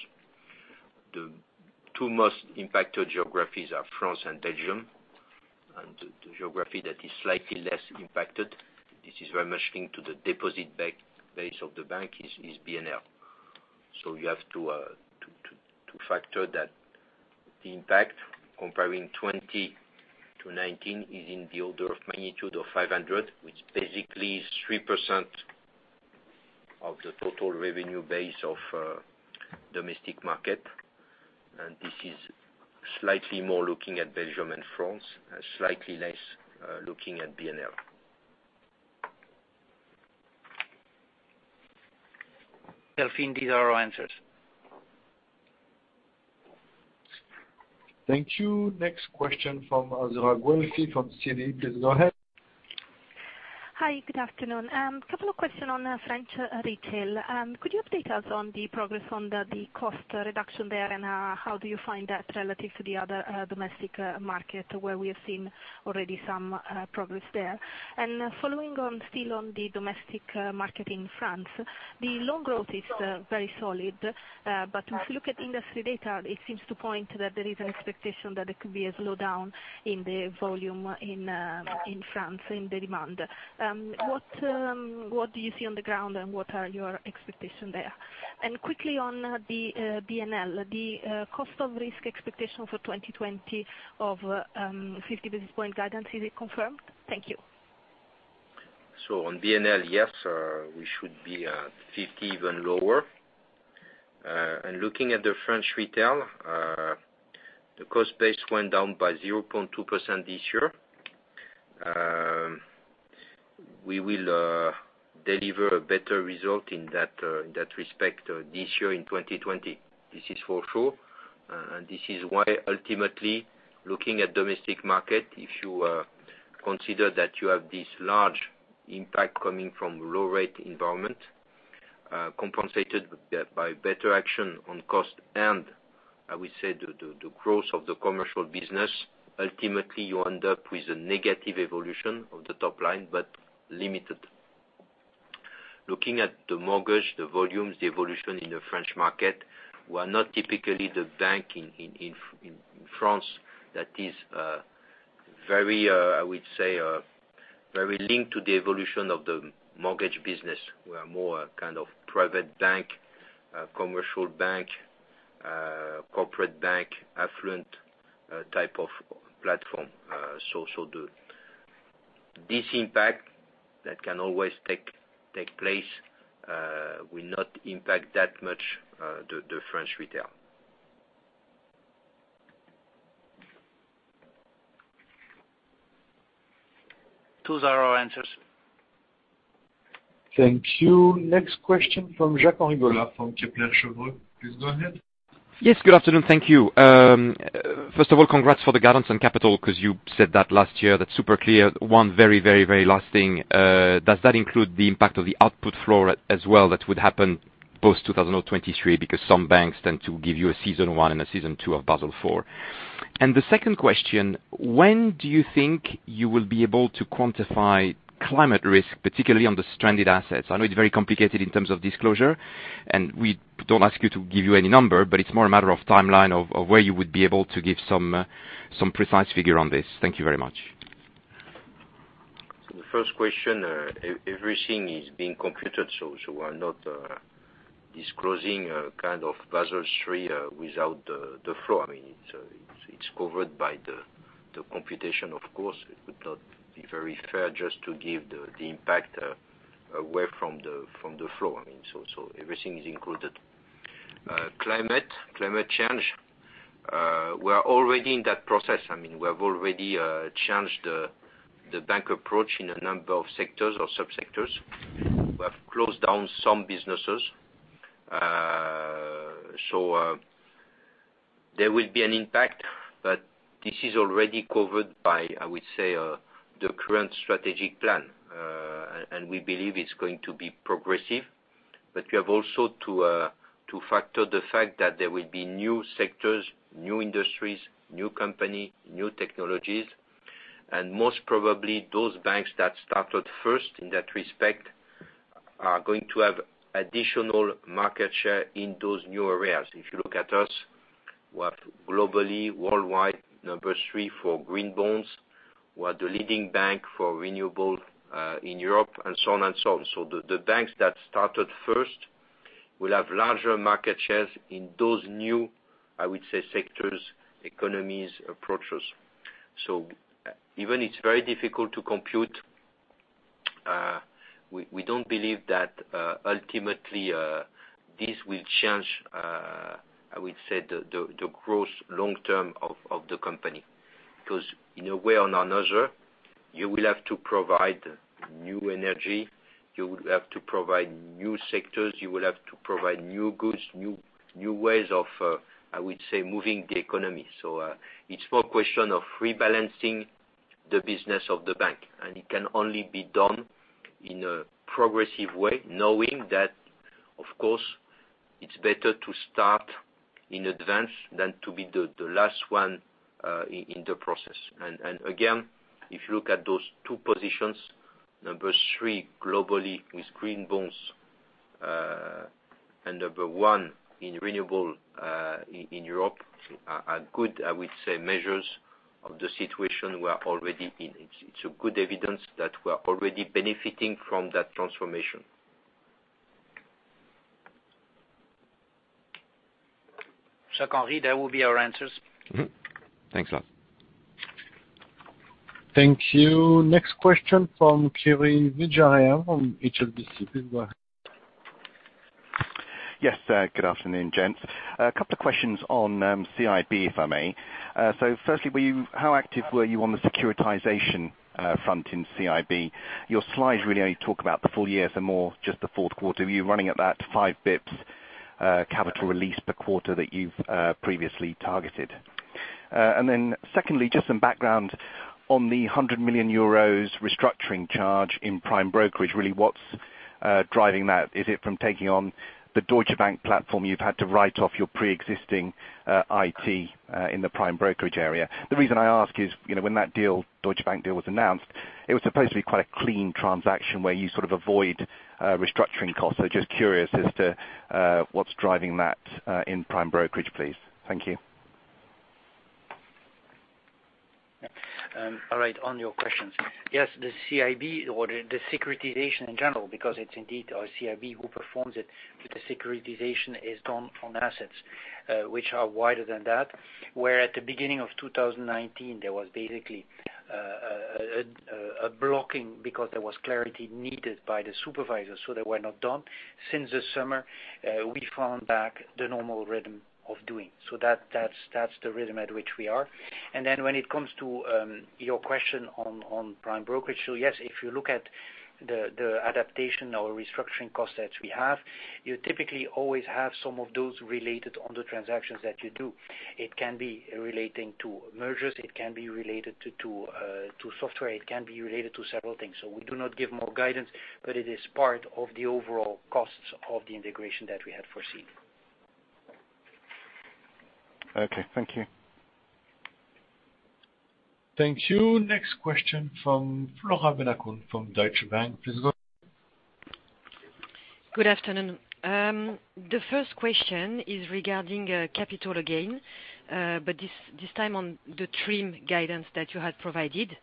The two most impacted geographies are France and Belgium, and the geography that is slightly less impacted, this is very much linked to the deposit base of the bank, is BNL. You have to factor that the impact comparing 2020 to 2019 is in the order of magnitude of 500 million, which basically is 3% of the total revenue base of Domestic Markets. This is slightly more looking at Belgium and France, slightly less looking at BNL. Delphine, these are our answers. Thank you. Next question from Azzurra Guelfi from Citi. Please go ahead. Hi, good afternoon. Couple of questions on French retail. Could you update us on the progress on the cost reduction there, and how do you find that relative to the other Domestic Market where we have seen already some progress there? Following still on the Domestic Market in France, the loan growth is very solid. If you look at industry data, it seems to point that there is an expectation that it could be a slowdown in the volume in France in the demand. What do you see on the ground, and what are your expectation there? Quickly on the BNL, the cost of risk expectation for 2020 of 50 basis point guidance, is it confirmed? Thank you. On BNL, yes, we should be at 50, even lower. Looking at the French retail, the cost base went down by 0.2% this year. We will deliver a better result in that respect this year in 2020. This is for sure. This is why ultimately, looking at Domestic Markets, if you consider that you have this large impact coming from low rate environment, compensated by better action on cost, and I would say the growth of the commercial business, ultimately, you end up with a negative evolution of the top line, but limited. Looking at the mortgage, the volumes, the evolution in the French market, we are not typically the bank in France that is very, I would say, very linked to the evolution of the mortgage business. We are more a kind of private bank, commercial bank, corporate bank, affluent type of platform. This impact that can always take place will not impact that much the French retail. Those are our answers. Thank you. Next question from Jacques-Henri Gaulard from Kepler Cheuvreux. Please go ahead. Yes, good afternoon. Thank you. First of all, congrats for the guidance on capital because you said that last year. That's super clear. One very, very, very last thing. Does that include the impact of the output floor as well that would happen post-2023? Some banks tend to give you a season one and a season two of Basel IV. The second question, when do you think you will be able to quantify climate risk, particularly on the stranded assets? I know it's very complicated in terms of disclosure, and we don't ask you to give you any number, but it's more a matter of timeline of where you would be able to give some precise figure on this. Thank you very much. The first question, everything is being computed. We are not disclosing Basel III without the floor. It's covered by the computation, of course. It would not be very fair just to give the impact away from the floor. Everything is included. Climate change, we are already in that process. We have already changed the bank approach in a number of sectors or sub-sectors. We have closed down some businesses. There will be an impact. This is already covered by, I would say, the current strategic plan. We believe it's going to be progressive. We have also to factor the fact that there will be new sectors, new industries, new company, new technologies. Most probably those banks that started first in that respect are going to have additional market share in those new areas. If you look at us, we are globally, worldwide, number three for green bonds. We are the leading bank for renewable in Europe, and so on and so on. The banks that started first will have larger market shares in those new, I would say, sectors, economies, approaches. Even it's very difficult to compute, we don't believe that ultimately this will change, I would say, the growth long-term of the company. In a way or another, you will have to provide new energy, you will have to provide new sectors, you will have to provide new goods, new ways of, I would say, moving the economy. It's more a question of rebalancing the business of the bank, and it can only be done in a progressive way, knowing that, of course, it's better to start in advance than to be the last one in the process. Again, if you look at those two positions, number three globally with green bonds, and number one in renewable in Europe, are good, I would say, measures of the situation we are already in. It's a good evidence that we are already benefiting from that transformation. Henri, there will be our answers. Mm-hmm. Thanks a lot. Thank you. Next question from Kirishanthan Vijayarajah from HSBC. Please go ahead. Firstly, how active were you on the securitization front in CIB? Your slides really only talk about the full year, so more just the fourth quarter. Were you running at that five basis points capital release per quarter that you've previously targeted? Secondly, just some background on the 100 million euros restructuring charge in prime brokerage. Really, what's driving that? Is it from taking on the Deutsche Bank platform, you've had to write off your preexisting IT in the prime brokerage area? The reason I ask is, when that Deutsche Bank deal was announced, it was supposed to be quite a clean transaction where you sort of avoid restructuring costs. Just curious as to what's driving that in prime brokerage, please. Thank you. All right, on your questions. Yes, the CIB or the securitization in general, because it's indeed our CIB who performs it, but the securitization is done on assets which are wider than that, where at the beginning of 2019, there was basically a blocking because there was clarity needed by the supervisors, so they were not done. Since this summer, we found back the normal rhythm of doing. That's the rhythm at which we are. When it comes to your question on prime brokerage, yes, if you look at the adaptation or restructuring cost that we have, you typically always have some of those related on the transactions that you do. It can be relating to mergers, it can be related to software, it can be related to several things. We do not give more guidance, but it is part of the overall costs of the integration that we had foreseen. Okay. Thank you. Thank you. Next question from Flora Bocahut from Barclays. Please go ahead. Good afternoon. The first question is regarding capital again, but this time on the TRIM guidance that you had provided.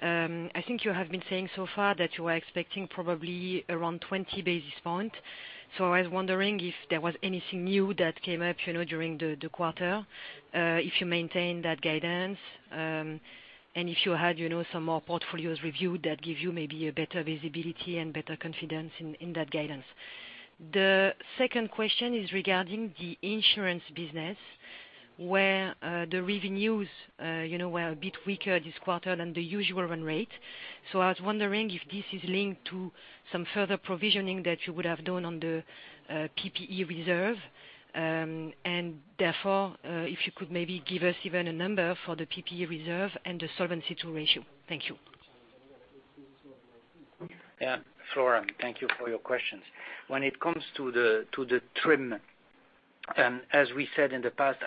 I think you have been saying so far that you are expecting probably around 20 basis points. I was wondering if there was anything new that came up during the quarter, if you maintain that guidance, and if you had some more portfolios reviewed that give you maybe a better visibility and better confidence in that guidance. The second question is regarding the insurance business, where the revenues were a bit weaker this quarter than the usual run rate. I was wondering if this is linked to some further provisioning that you would have done on the PPE reserve, and therefore, if you could maybe give us even a number for the PPE reserve and the solvency ratio. Thank you. Yeah, Flora, thank you for your questions. When it comes to the TRIM, as we said in the past,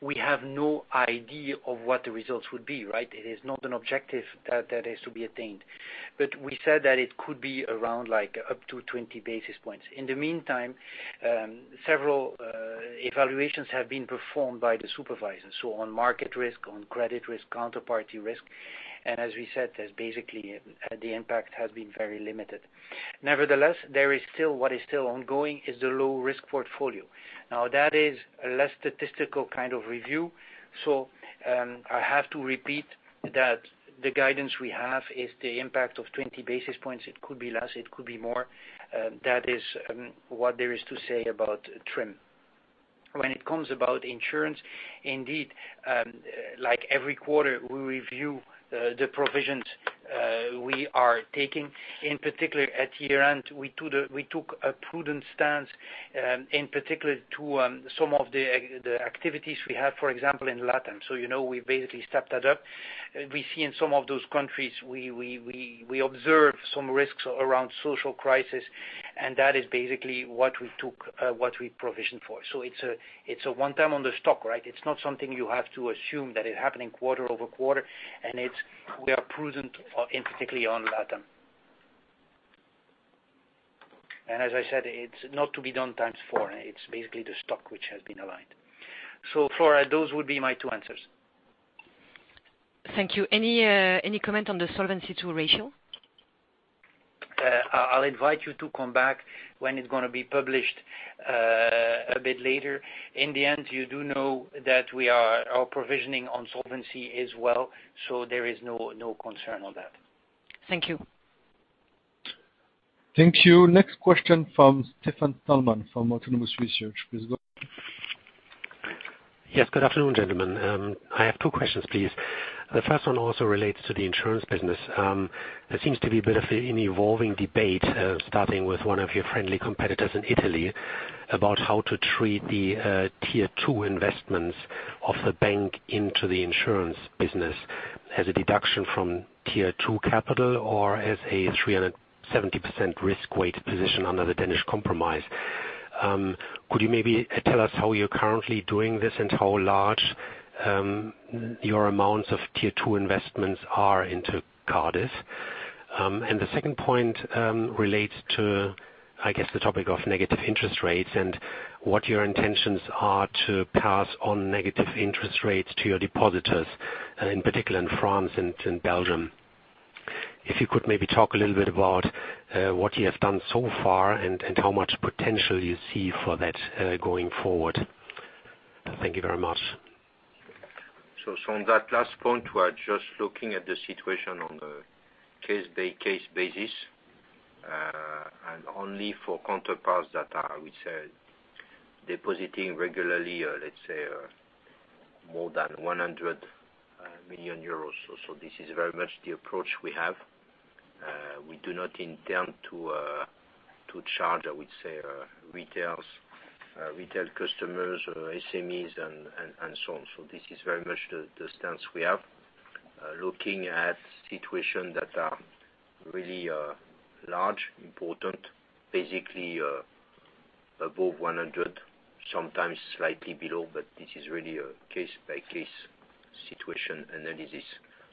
we have no idea of what the results would be. It is not an objective that is to be attained. We said that it could be around up to 20 basis points. In the meantime, several evaluations have been performed by the supervisors. On market risk, on credit risk, counterparty risk, and as we said, basically, the impact has been very limited. Nevertheless, what is still ongoing is the low-risk portfolio. That is a less statistical kind of review. I have to repeat that the guidance we have is the impact of 20 basis points. It could be less, it could be more. That is what there is to say about TRIM. When it comes about insurance, indeed, like every quarter, we review the provisions we are taking. In particular, at year-end, we took a prudent stance, in particular to some of the activities we have, for example, in LATAM. You know we've basically stepped that up. We see in some of those countries, we observe some risks around social crisis, and that is basically what we provisioned for. It's a one-time on the stock. It's not something you have to assume that is happening quarter over quarter, and we are prudent, particularly on LATAM. As I said, it's not to be done times four. It's basically the stock which has been aligned. Flora, those would be my two answers. Thank you. Any comment on the Solvency II ratio? I'll invite you to come back when it's going to be published a bit later. In the end, you do know that we are provisioning on solvency as well, so there is no concern on that. Thank you. Thank you. Next question from Stefan Stalmann from Autonomous Research. Please go ahead. Yes, good afternoon, gentlemen. I have two questions, please. The first one also relates to the insurance business. There seems to be a bit of an evolving debate, starting with one of your friendly competitors in Italy, about how to treat the Tier 2 investments of the bank into the insurance business as a deduction from Tier 2 capital or as a 370% risk-weighted position under the Danish Compromise. Could you maybe tell us how you're currently doing this and how large your amounts of Tier 2 investments are into Cardif? The second point relates to, I guess, the topic of negative interest rates and what your intentions are to pass on negative interest rates to your depositors, in particular in France and in Belgium. If you could maybe talk a little bit about what you have done so far and how much potential you see for that going forward. Thank you very much. On that last point, we are just looking at the situation on the case-by-case basis, and only for counterparts that are, I would say, depositing regularly, let's say, more than 100 million euros. This is very much the approach we have. We do not intend to charge, I would say, retail customers or SMEs and so on. This is very much the stance we have. Looking at situations that are really large, important, basically above 100, sometimes slightly below, but this is really a case-by-case situation analysis.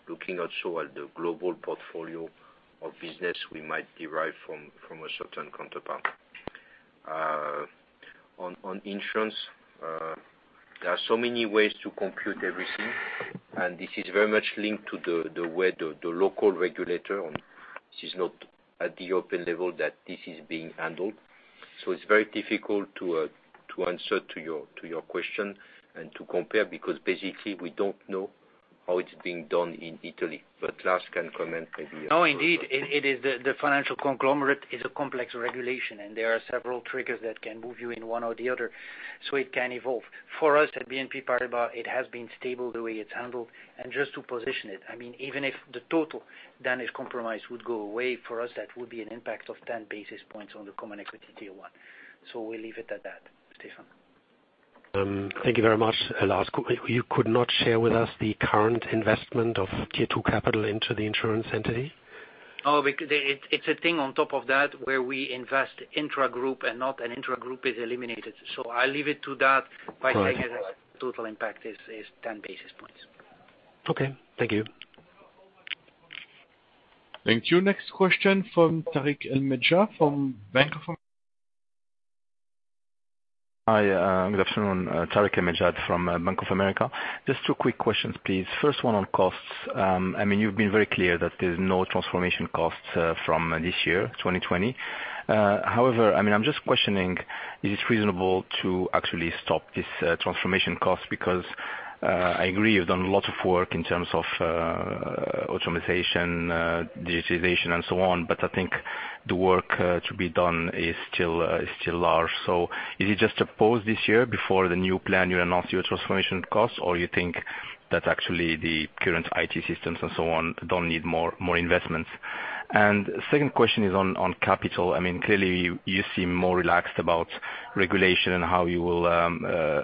Looking also at the global portfolio of business we might derive from a certain counterpart. On insurance, there are so many ways to compute everything, and this is very much linked to the local regulator. This is not at the European level that this is being handled. It's very difficult to answer to your question and to compare, because basically we don't know how it's being done in Italy. Lars can comment maybe. No, indeed, the financial conglomerate is a complex regulation. There are several triggers that can move you in one or the other. It can evolve. For us at BNP Paribas, it has been stable the way it's handled. Just to position it, even if the total Danish Compromise would go away, for us, that would be an impact of 10 basis points on the Common Equity Tier 1. We'll leave it at that, Stefan. Thank you very much, Lars. You could not share with us the current investment of Tier 2 capital into the insurance entity? No, because it's a thing on top of that where we invest intragroup and not an intragroup is eliminated. I leave it to that by saying that the total impact is 10 basis points. Okay. Thank you. Thank you. Next question from Tarik El Mejjad from Bank of America. Hi, good afternoon. Tarik El Mejjad from Bank of America. Just two quick questions, please. First one on costs. You've been very clear that there's no transformation costs from this year, 2020. However, I'm just questioning, is it reasonable to actually stop this transformation cost because, I agree, you've done a lot of work in terms of automatization, digitization, and so on, but I think the work to be done is still large. Is it just a pause this year before the new plan you announce your transformation costs, or you think that actually the current IT systems and so on don't need more investments? Second question is on capital. Clearly, you seem more relaxed about regulation and how you will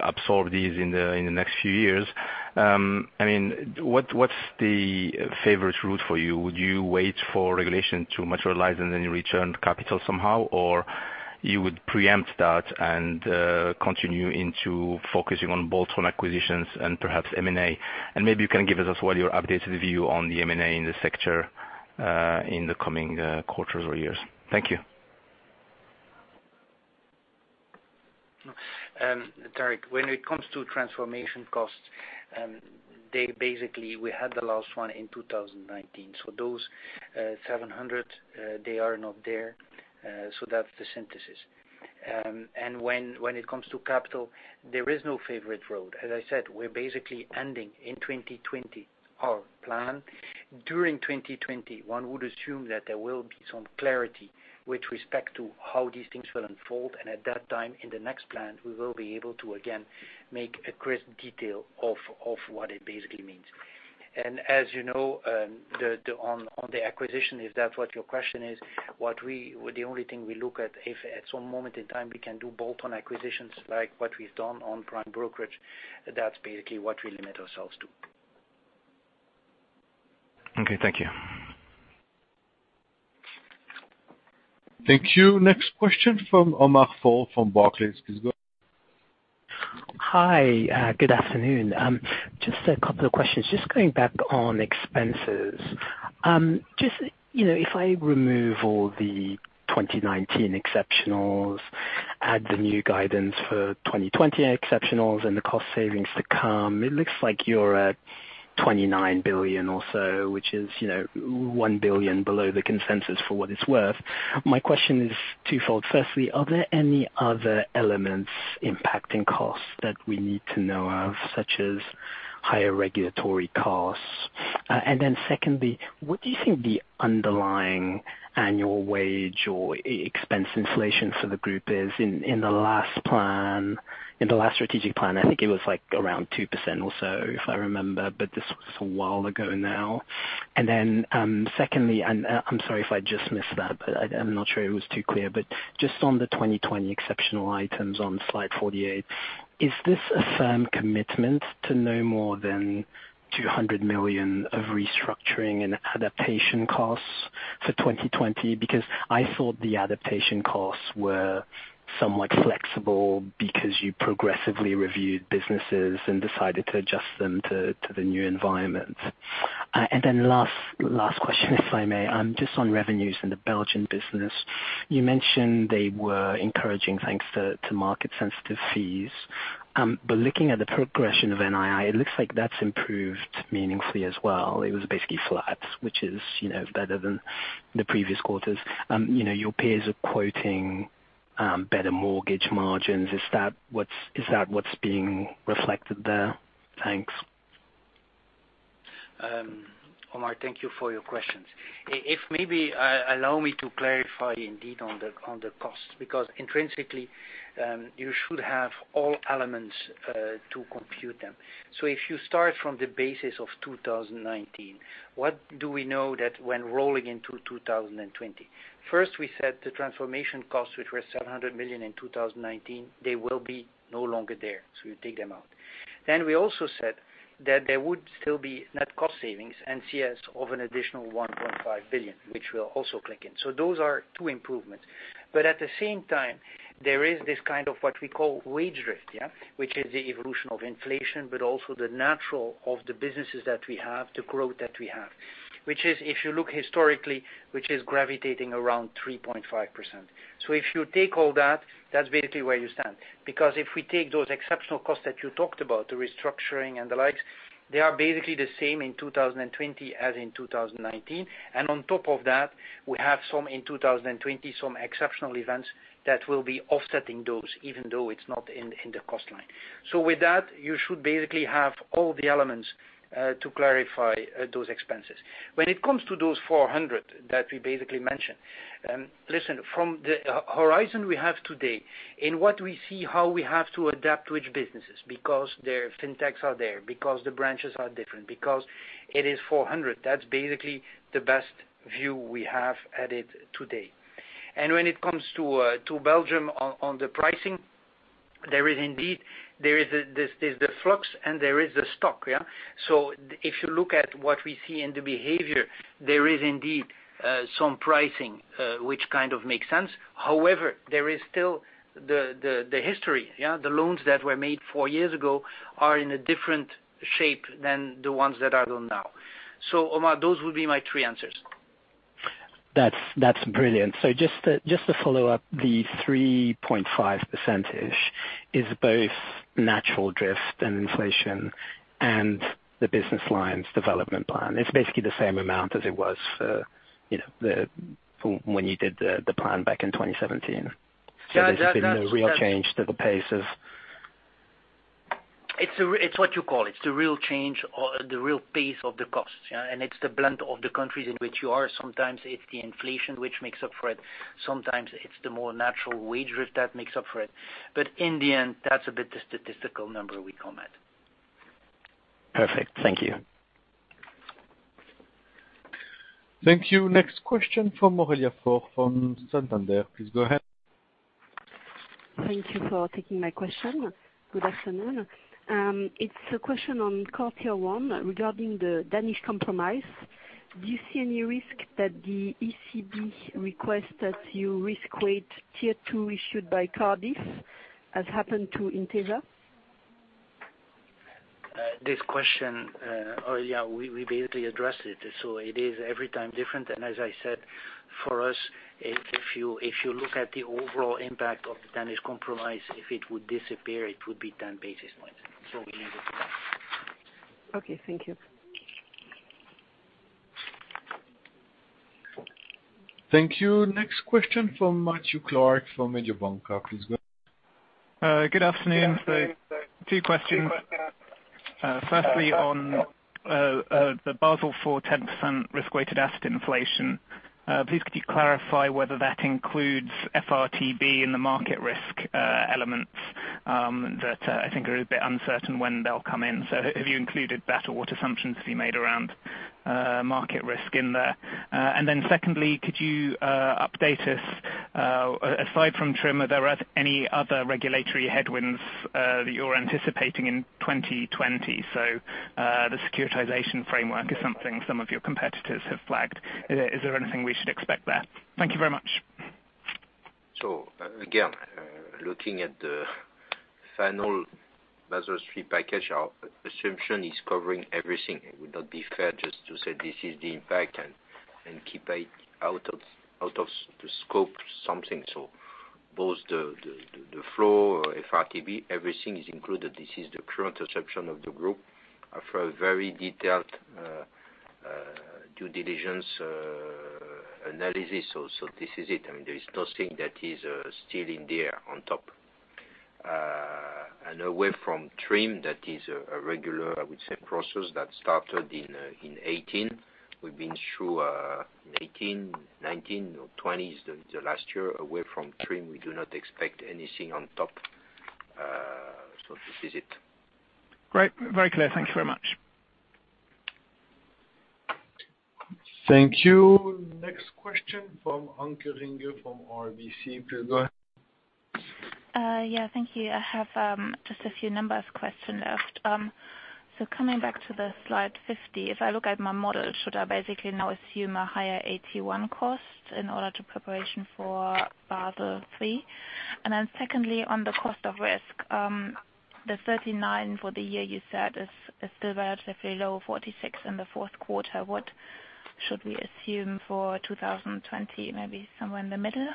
absorb these in the next few years. What's the favorite route for you? Would you wait for regulation to materialize and then return capital somehow, or you would preempt that and continue into focusing on bolt-on acquisitions and perhaps M&A. Maybe you can give us as well your updated view on the M&A in the sector in the coming quarters or years. Thank you. Tarik, when it comes to transformation costs, basically, we had the last one in 2019. Those 700, they are not there. That's the synthesis. When it comes to capital, there is no favorite road. As I said, we're basically ending in 2020, our plan. During 2020, one would assume that there will be some clarity with respect to how these things will unfold, and at that time in the next plan, we will be able to again make a crisp detail of what it basically means. As you know, on the acquisition, if that's what your question is, the only thing we look at, if at some moment in time we can do bolt-on acquisitions like what we've done on prime brokerage, that's basically what we limit ourselves to. Okay, thank you. Thank you. Next question from Omar Fall from Barclays. Please go ahead. Hi, good afternoon. Just a couple of questions. Just going back on expenses. If I remove all the 2019 exceptionals, add the new guidance for 2020 exceptionals and the cost savings to come, it looks like you're at 29 billion or so, which is 1 billion below the consensus for what it's worth. My question is twofold. Firstly, are there any other elements impacting costs that we need to know of, such as higher regulatory costs? Secondly, what do you think the underlying annual wage or expense inflation for the group is in the last strategic plan, I think it was around 2% or so, if I remember, but this was a while ago now. Secondly, I'm sorry if I just missed that, but I'm not sure it was too clear, but just on the 2020 exceptional items on slide 48, is this a firm commitment to no more than 200 million of restructuring and adaptation costs for 2020? I thought the adaptation costs were somewhat flexible because you progressively reviewed businesses and decided to adjust them to the new environment. Last question, if I may. Just on revenues in the Belgian business, you mentioned they were encouraging thanks to market-sensitive fees. Looking at the progression of NII, it looks like that's improved meaningfully as well. It was basically flat, which is better than the previous quarters. Your peers are quoting better mortgage margins. Is that what's being reflected there? Thanks. Omar, thank you for your questions. If maybe allow me to clarify indeed on the cost, because intrinsically, you should have all elements to compute them. If you start from the basis of 2019, what do we know that when rolling into 2020? First, we said the transformation costs, which were 700 million in 2019, they will be no longer there, so we take them out. We also said that there would still be net cost savings, NCS, of an additional 1.5 billion, which will also kick in. Those are two improvements. At the same time, there is this kind of what we call wage drift. Which is the evolution of inflation, but also the natural of the businesses that we have, the growth that we have. Which if you look historically, which is gravitating around 3.5%. If you take all that's basically where you stand. If we take those exceptional costs that you talked about, the restructuring and the likes, they are basically the same in 2020 as in 2019. On top of that, we have in 2020, some exceptional events that will be offsetting those, even though it's not in the cost line. With that, you should basically have all the elements to clarify those expenses. When it comes to those 400 that we basically mentioned. Listen, from the horizon we have today in what we see how we have to adapt which businesses because their Fintechs are there, because the branches are different, because it is 400, that's basically the best view we have at it today. When it comes to Belgium on the pricing, there is the flux and there is the stock. If you look at what we see in the behavior, there is indeed some pricing, which kind of makes sense. However, there is still the history. The loans that were made four years ago are in a different shape than the ones that are done now. Omar, those would be my three answers. That's brilliant. Just to follow up, the 3.5% is both natural drift and inflation and the business lines development plan. It's basically the same amount as it was when you did the plan back in 2017. Yeah. There's been no real change to the pace of It's what you call it, the real change or the real pace of the cost. It's the blend of the countries in which you are. Sometimes it's the inflation which makes up for it. Sometimes it's the more natural wage drift that makes up for it. In the end, that's a bit the statistical number we come at. Perfect. Thank you. Thank you. Next question from Aurélien Foucart from Santander. Please go ahead. Thank you for taking my question. Good afternoon. It's a question on core Tier 1 regarding the Danish Compromise. Do you see any risk that the ECB request that you risk weight Tier 2 issued by Cardif, as happened to Intesa? This question, we basically addressed it. It is every time different. As I said, for us, if you look at the overall impact of the Danish Compromise, if it would disappear, it would be 10 basis points. We leave it at that. Okay. Thank you. Thank you. Next question from Matthew Clark from Mediobanca. Please go ahead. Good afternoon. Two questions. Firstly, on the Basel IV 10% risk-weighted asset inflation. Please could you clarify whether that includes FRTB in the market risk elements that I think are a bit uncertain when they'll come in. Have you included that, or what assumptions have you made around market risk in there? Secondly, could you update us, aside from TRIM, are there any other regulatory headwinds that you're anticipating in 2020? The securitization framework is something some of your competitors have flagged. Is there anything we should expect there? Thank you very much. Again, looking at the final Basel III package, our assumption is covering everything. It would not be fair just to say this is the impact, and keep out of the scope something. Both the floor or FRTB, everything is included. This is the current assumption of the group after a very detailed due diligence analysis. This is it. There is nothing that is still in the air on top. Away from TRIM, that is a regular process that started in 2018. We've been through 2018, 2019 or 2020 is the last year away from TRIM. We do not expect anything on top. This is it. Great. Very clear. Thank you very much. Thank you. Next question from Anke Reingen from RBC. Please go ahead. Yeah, thank you. I have just a few numbers question left. Coming back to the slide 50, if I look at my model, should I basically now assume a higher AT1 cost in order to preparation for Basel III? Secondly, on the cost of risk, the 39 for the year you said is still relatively low, 46 in the fourth quarter. What should we assume for 2020? Maybe somewhere in the middle?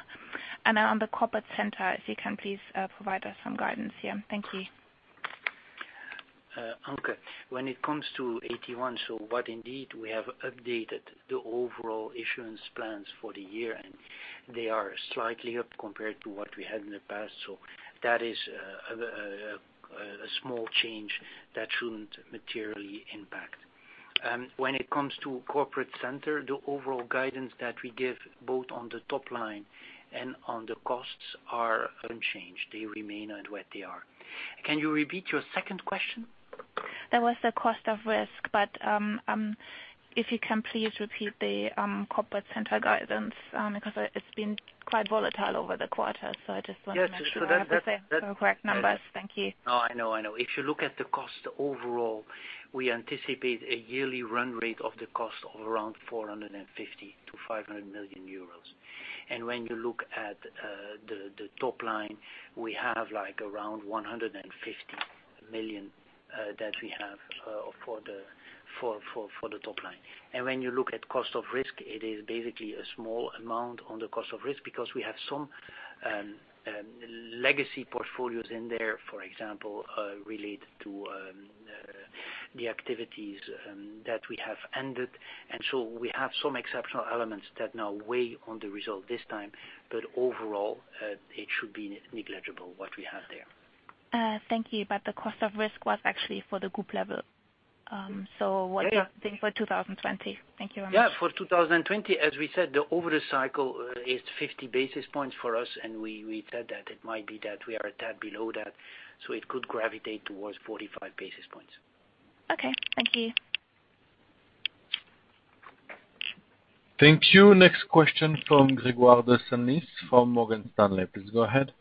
On the corporate center, if you can please provide us some guidance here. Thank you. Anke, when it comes to AT1, so what indeed, we have updated the overall issuance plans for the year, and they are slightly up compared to what we had in the past. That is a small change that shouldn't materially impact. When it comes to corporate center, the overall guidance that we give both on the top line and on the costs are unchanged. They remain at what they are. Can you repeat your second question? That was the cost of risk. If you can please repeat the Corporate Center guidance, because it's been quite volatile over the quarter. I just want to make sure I have the correct numbers. Thank you. No, I know. If you look at the cost overall, we anticipate a yearly run rate of the cost of around 450 million-500 million euros. When you look at the top line, we have around 150 million that we have for the top line. When you look at cost of risk, it is basically a small amount on the cost of risk because we have some legacy portfolios in there, for example, related to the activities that we have ended. So we have some exceptional elements that now weigh on the result this time. Overall, it should be negligible what we have there. Thank you. The cost of risk was actually for the group level. What do you think for 2020? Thank you very much. Yeah. For 2020, as we said, the over the cycle is 50 basis points for us, and we said that it might be that we are a tad below that, so it could gravitate towards 45 basis points. Okay. Thank you. Thank you. Next question from Gregoire de Salins from Morgan Stanley. Please go ahead.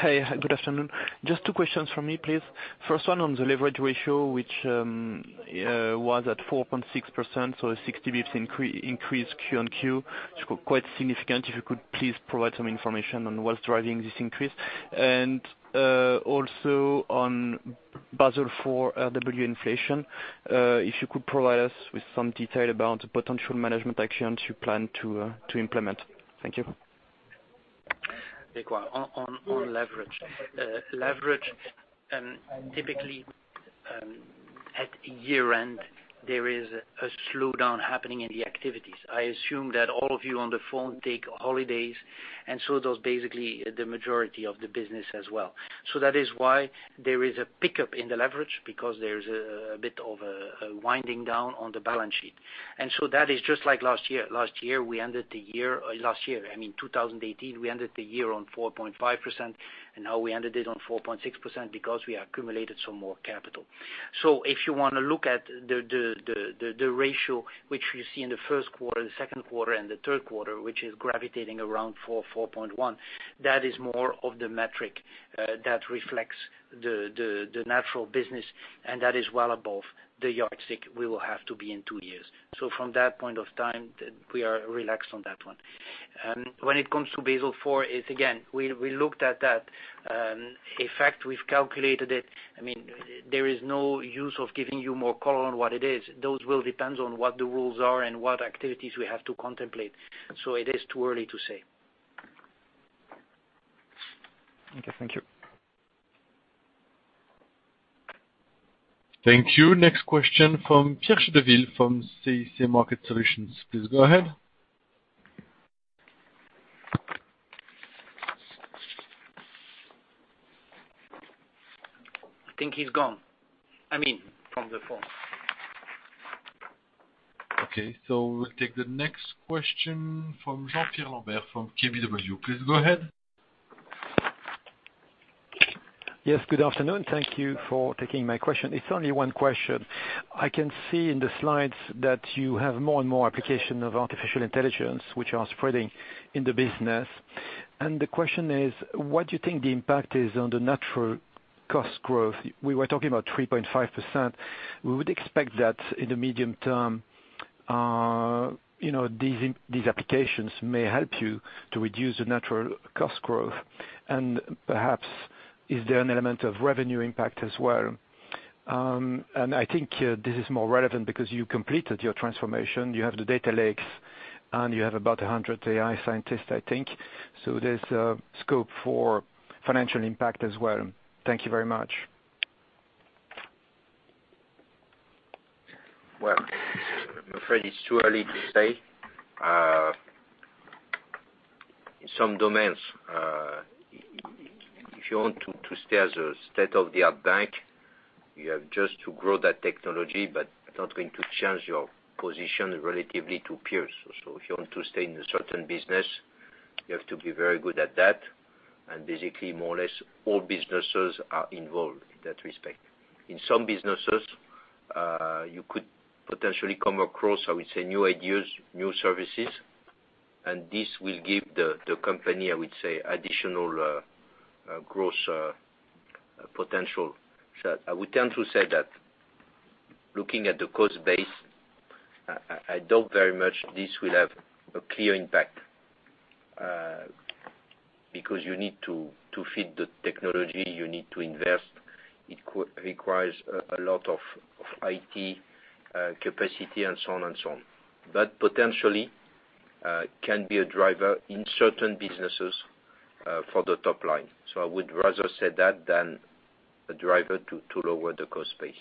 Hey, good afternoon. Just two questions from me, please. First one on the leverage ratio, which was at 4.6%, so a 60 basis points increase quarter-on-quarter, which is quite significant. If you could please provide some information on what's driving this increase. Also on Basel IV RWA inflation, if you could provide us with some detail about potential management actions you plan to implement. Thank you. Gregoire, on leverage. Leverage, typically at year-end, there is a slowdown happening in the activities. I assume that all of you on the phone take holidays, and so does basically the majority of the business as well. That is why there is a pickup in the leverage, because there's a bit of a winding down on the balance sheet. That is just like last year. Last year, I mean 2018, we ended the year on 4.5%. Now we ended it on 4.6% because we accumulated some more capital. If you want to look at the ratio, which you see in the first quarter, the second quarter, and the third quarter, which is gravitating around 4.1, that is more of the metric that reflects the natural business, and that is well above the yardstick we will have to be in two years. From that point of time, we are relaxed on that one. When it comes to Basel IV, it's again, we looked at that. In fact, we've calculated it. There is no use of giving you more color on what it is. Those will depend on what the rules are and what activities we have to contemplate. It is too early to say. Okay, thank you. Thank you. Next question from Pierre Chédeville from CIC Market Solutions. Please go ahead. I think he's gone. I mean, from the phone. Okay. We'll take the next question from Jean-Pierre Lambert from KBW. Please go ahead. Yes, good afternoon. Thank you for taking my question. It's only one question. I can see in the slides that you have more and more application of artificial intelligence, which are spreading in the business. The question is, what do you think the impact is on the natural cost growth? We were talking about 3.5%. We would expect that in the medium term, these applications may help you to reduce the natural cost growth. Perhaps, is there an element of revenue impact as well? I think this is more relevant because you completed your transformation. You have the data lakes, and you have about 100 AI scientists, I think. There's a scope for financial impact as well. Thank you very much. Well, I'm afraid it's too early to say. In some domains, if you want to stay as a state-of-the-art bank, you have just to grow that technology, but it's not going to change your position relatively to peers. If you want to stay in a certain business, you have to be very good at that. Basically, more or less, all businesses are involved in that respect. In some businesses, you could potentially come across, I would say, new ideas, new services, and this will give the company, I would say, additional growth potential. I would tend to say that looking at the cost base, I doubt very much this will have a clear impact, because you need to feed the technology, you need to invest. It requires a lot of IT capacity, and so on. Potentially, can be a driver in certain businesses for the top line. I would rather say that than a driver to lower the cost base.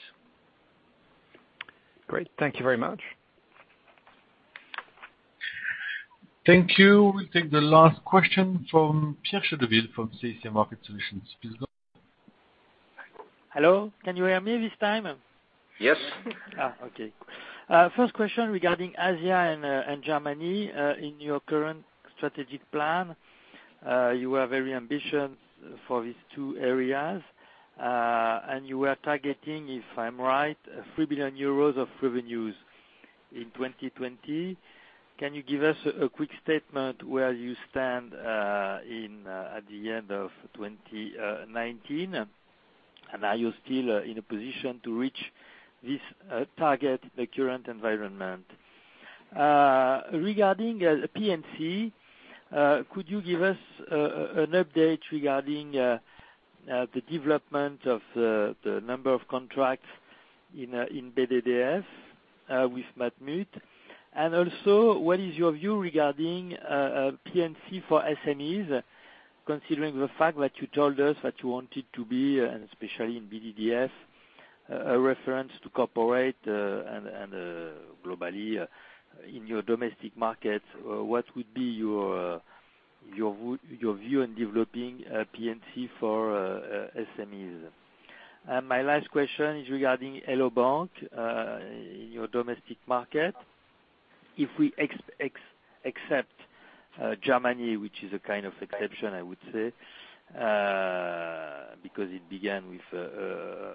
Great. Thank you very much. Thank you. We'll take the last question from Pierre Chédeville from CIC Market Solutions. Please go ahead. Hello. Can you hear me this time? Yes. Okay. First question regarding Asia and Germany. In your current strategic plan, you are very ambitious for these two areas. You were targeting, if I'm right, 3 billion euros of revenues in 2020. Can you give us a quick statement where you stand at the end of 2019? Are you still in a position to reach this target in the current environment? Regarding P&C, could you give us an update regarding the development of the number of contracts in BDDF with Matmut? Also, what is your view regarding P&C for SMEs, considering the fact that you told us that you wanted to be, and especially in BDDF, a reference to corporate and globally in your domestic market. What would be your view on developing P&C for SMEs? My last question is regarding Hello bank! in your domestic market. If we except Germany, which is a kind of exception, I would say, because it began with a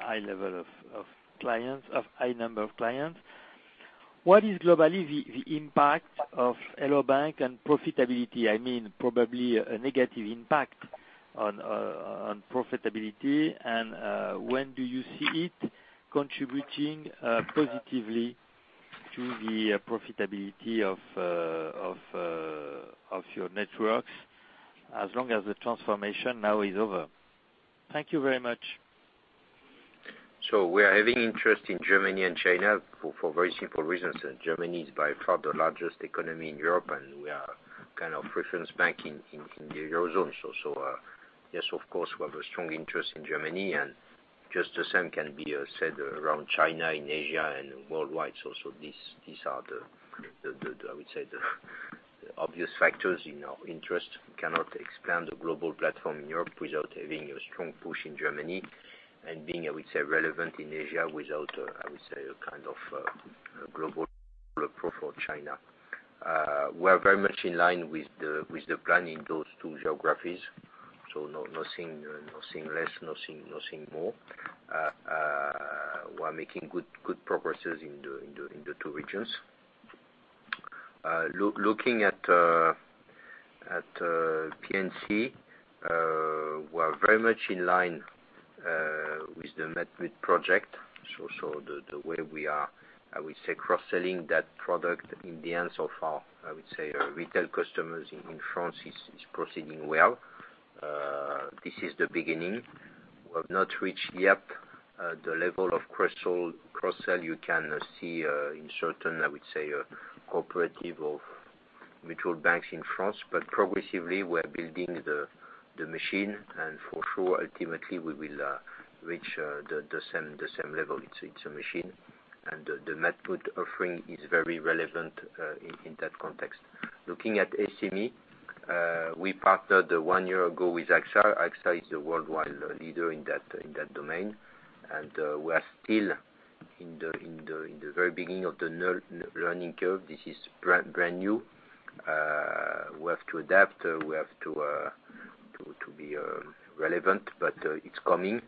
high number of clients. What is globally the impact of Hello bank! and profitability? Probably a negative impact on profitability, and when do you see it contributing positively to the profitability of your networks as long as the transformation now is over? Thank you very much. We are having interest in Germany and China for very simple reasons. Germany is by far the largest economy in Europe, and we are kind of reference bank in the Eurozone. Yes, of course, we have a strong interest in Germany, and just the same can be said around China, in Asia, and worldwide. These are the obvious factors in our interest. We cannot expand the global platform in Europe without having a strong push in Germany and being relevant in Asia without a kind of global platform for China. We are very much in line with the plan in those two geographies. Nothing less, nothing more. We are making good progresses in the two regions. Looking at P&C, we are very much in line with the Matmut project. The way we are, I would say, cross-selling that product in the end, so far, I would say our retail customers in France is proceeding well. This is the beginning. We have not reached yet the level of cross-sell you can see in certain, I would say, cooperative of mutual banks in France. Progressively, we are building the machine, and for sure, ultimately, we will reach the same level. It's a machine. The Matmut offering is very relevant in that context. Looking at SME, we partnered one year ago with AXA. AXA is the worldwide leader in that domain, and we are still in the very beginning of the learning curve. This is brand new. We have to adapt, we have to be relevant, but it's coming.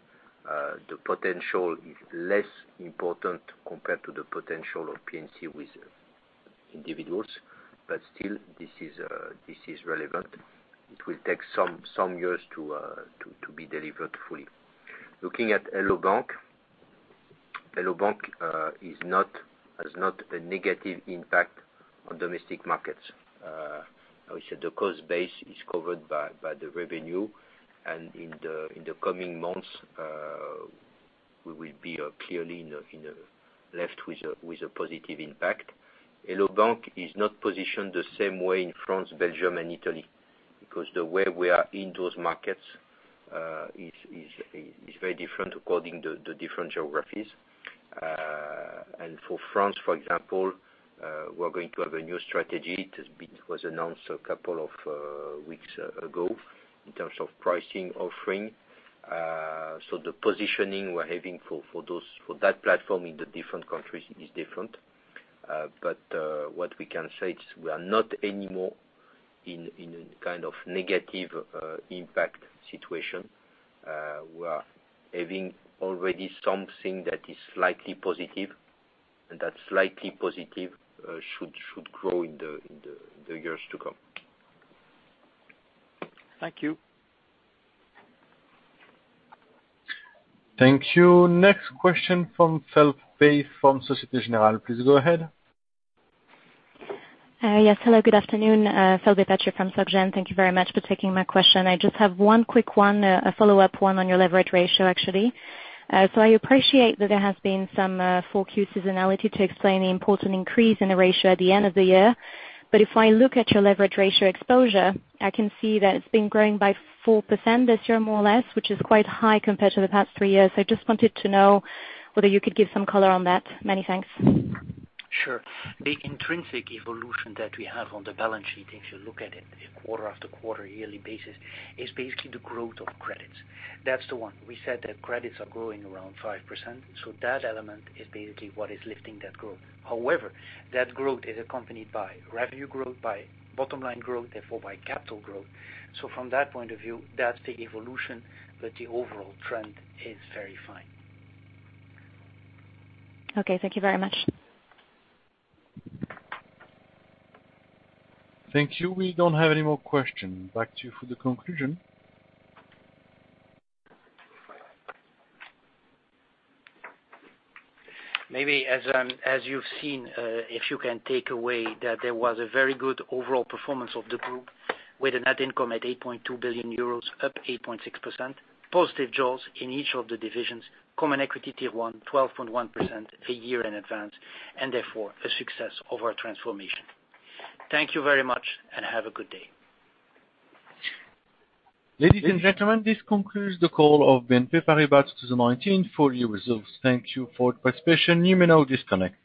The potential is less important compared to the potential of P&C with individuals. Still, this is relevant. It will take some years to be delivered fully. Looking at Hello bank! Hello bank! has not a negative impact on Domestic Markets. I would say the cost base is covered by the revenue. In the coming months, we will be clearly left with a positive impact. Hello bank! is not positioned the same way in France, Belgium, and Italy, because the way we are in those markets is very different according to the different geographies. For France, for example, we're going to have a new strategy. It was announced a couple of weeks ago in terms of pricing offering. The positioning we're having for that platform in the different countries is different. What we can say is we are not any more in a kind of negative impact situation. We are having already something that is slightly positive, and that slightly positive should grow in the years to come. Thank you. Thank you. Next question from Phelbe from Societe Generale. Please go ahead. Yes, hello, good afternoon. Phelbe Pace from Societe Generale. Thank you very much for taking my question. I just have one quick one, a follow-up one on your leverage ratio, actually. I appreciate that there has been some fourth Q seasonality to explain the important increase in the ratio at the end of the year. If I look at your leverage ratio exposure, I can see that it's been growing by 4% this year, more or less, which is quite high compared to the past three years. I just wanted to know whether you could give some color on that. Many thanks. Sure. The intrinsic evolution that we have on the balance sheet, if you look at it in quarter after quarter, yearly basis, is basically the growth of credits. That's the one. We said that credits are growing around 5%, so that element is basically what is lifting that growth. However, that growth is accompanied by revenue growth, by bottom line growth, therefore by capital growth. From that point of view, that's the evolution. The overall trend is very fine. Okay, thank you very much. Thank you. We don't have any more questions. Back to you for the conclusion. Maybe as you've seen, if you can take away that there was a very good overall performance of the group with a net income at 8.2 billion euros, up 8.6%. Positive jaws in each of the divisions. Common Equity Tier 1, 12.1% a year in advance. Therefore a success of our transformation. Thank you very much and have a good day. Ladies and gentlemen, this concludes the call of BNP Paribas 2019 full year results. Thank you for participation. You may now disconnect.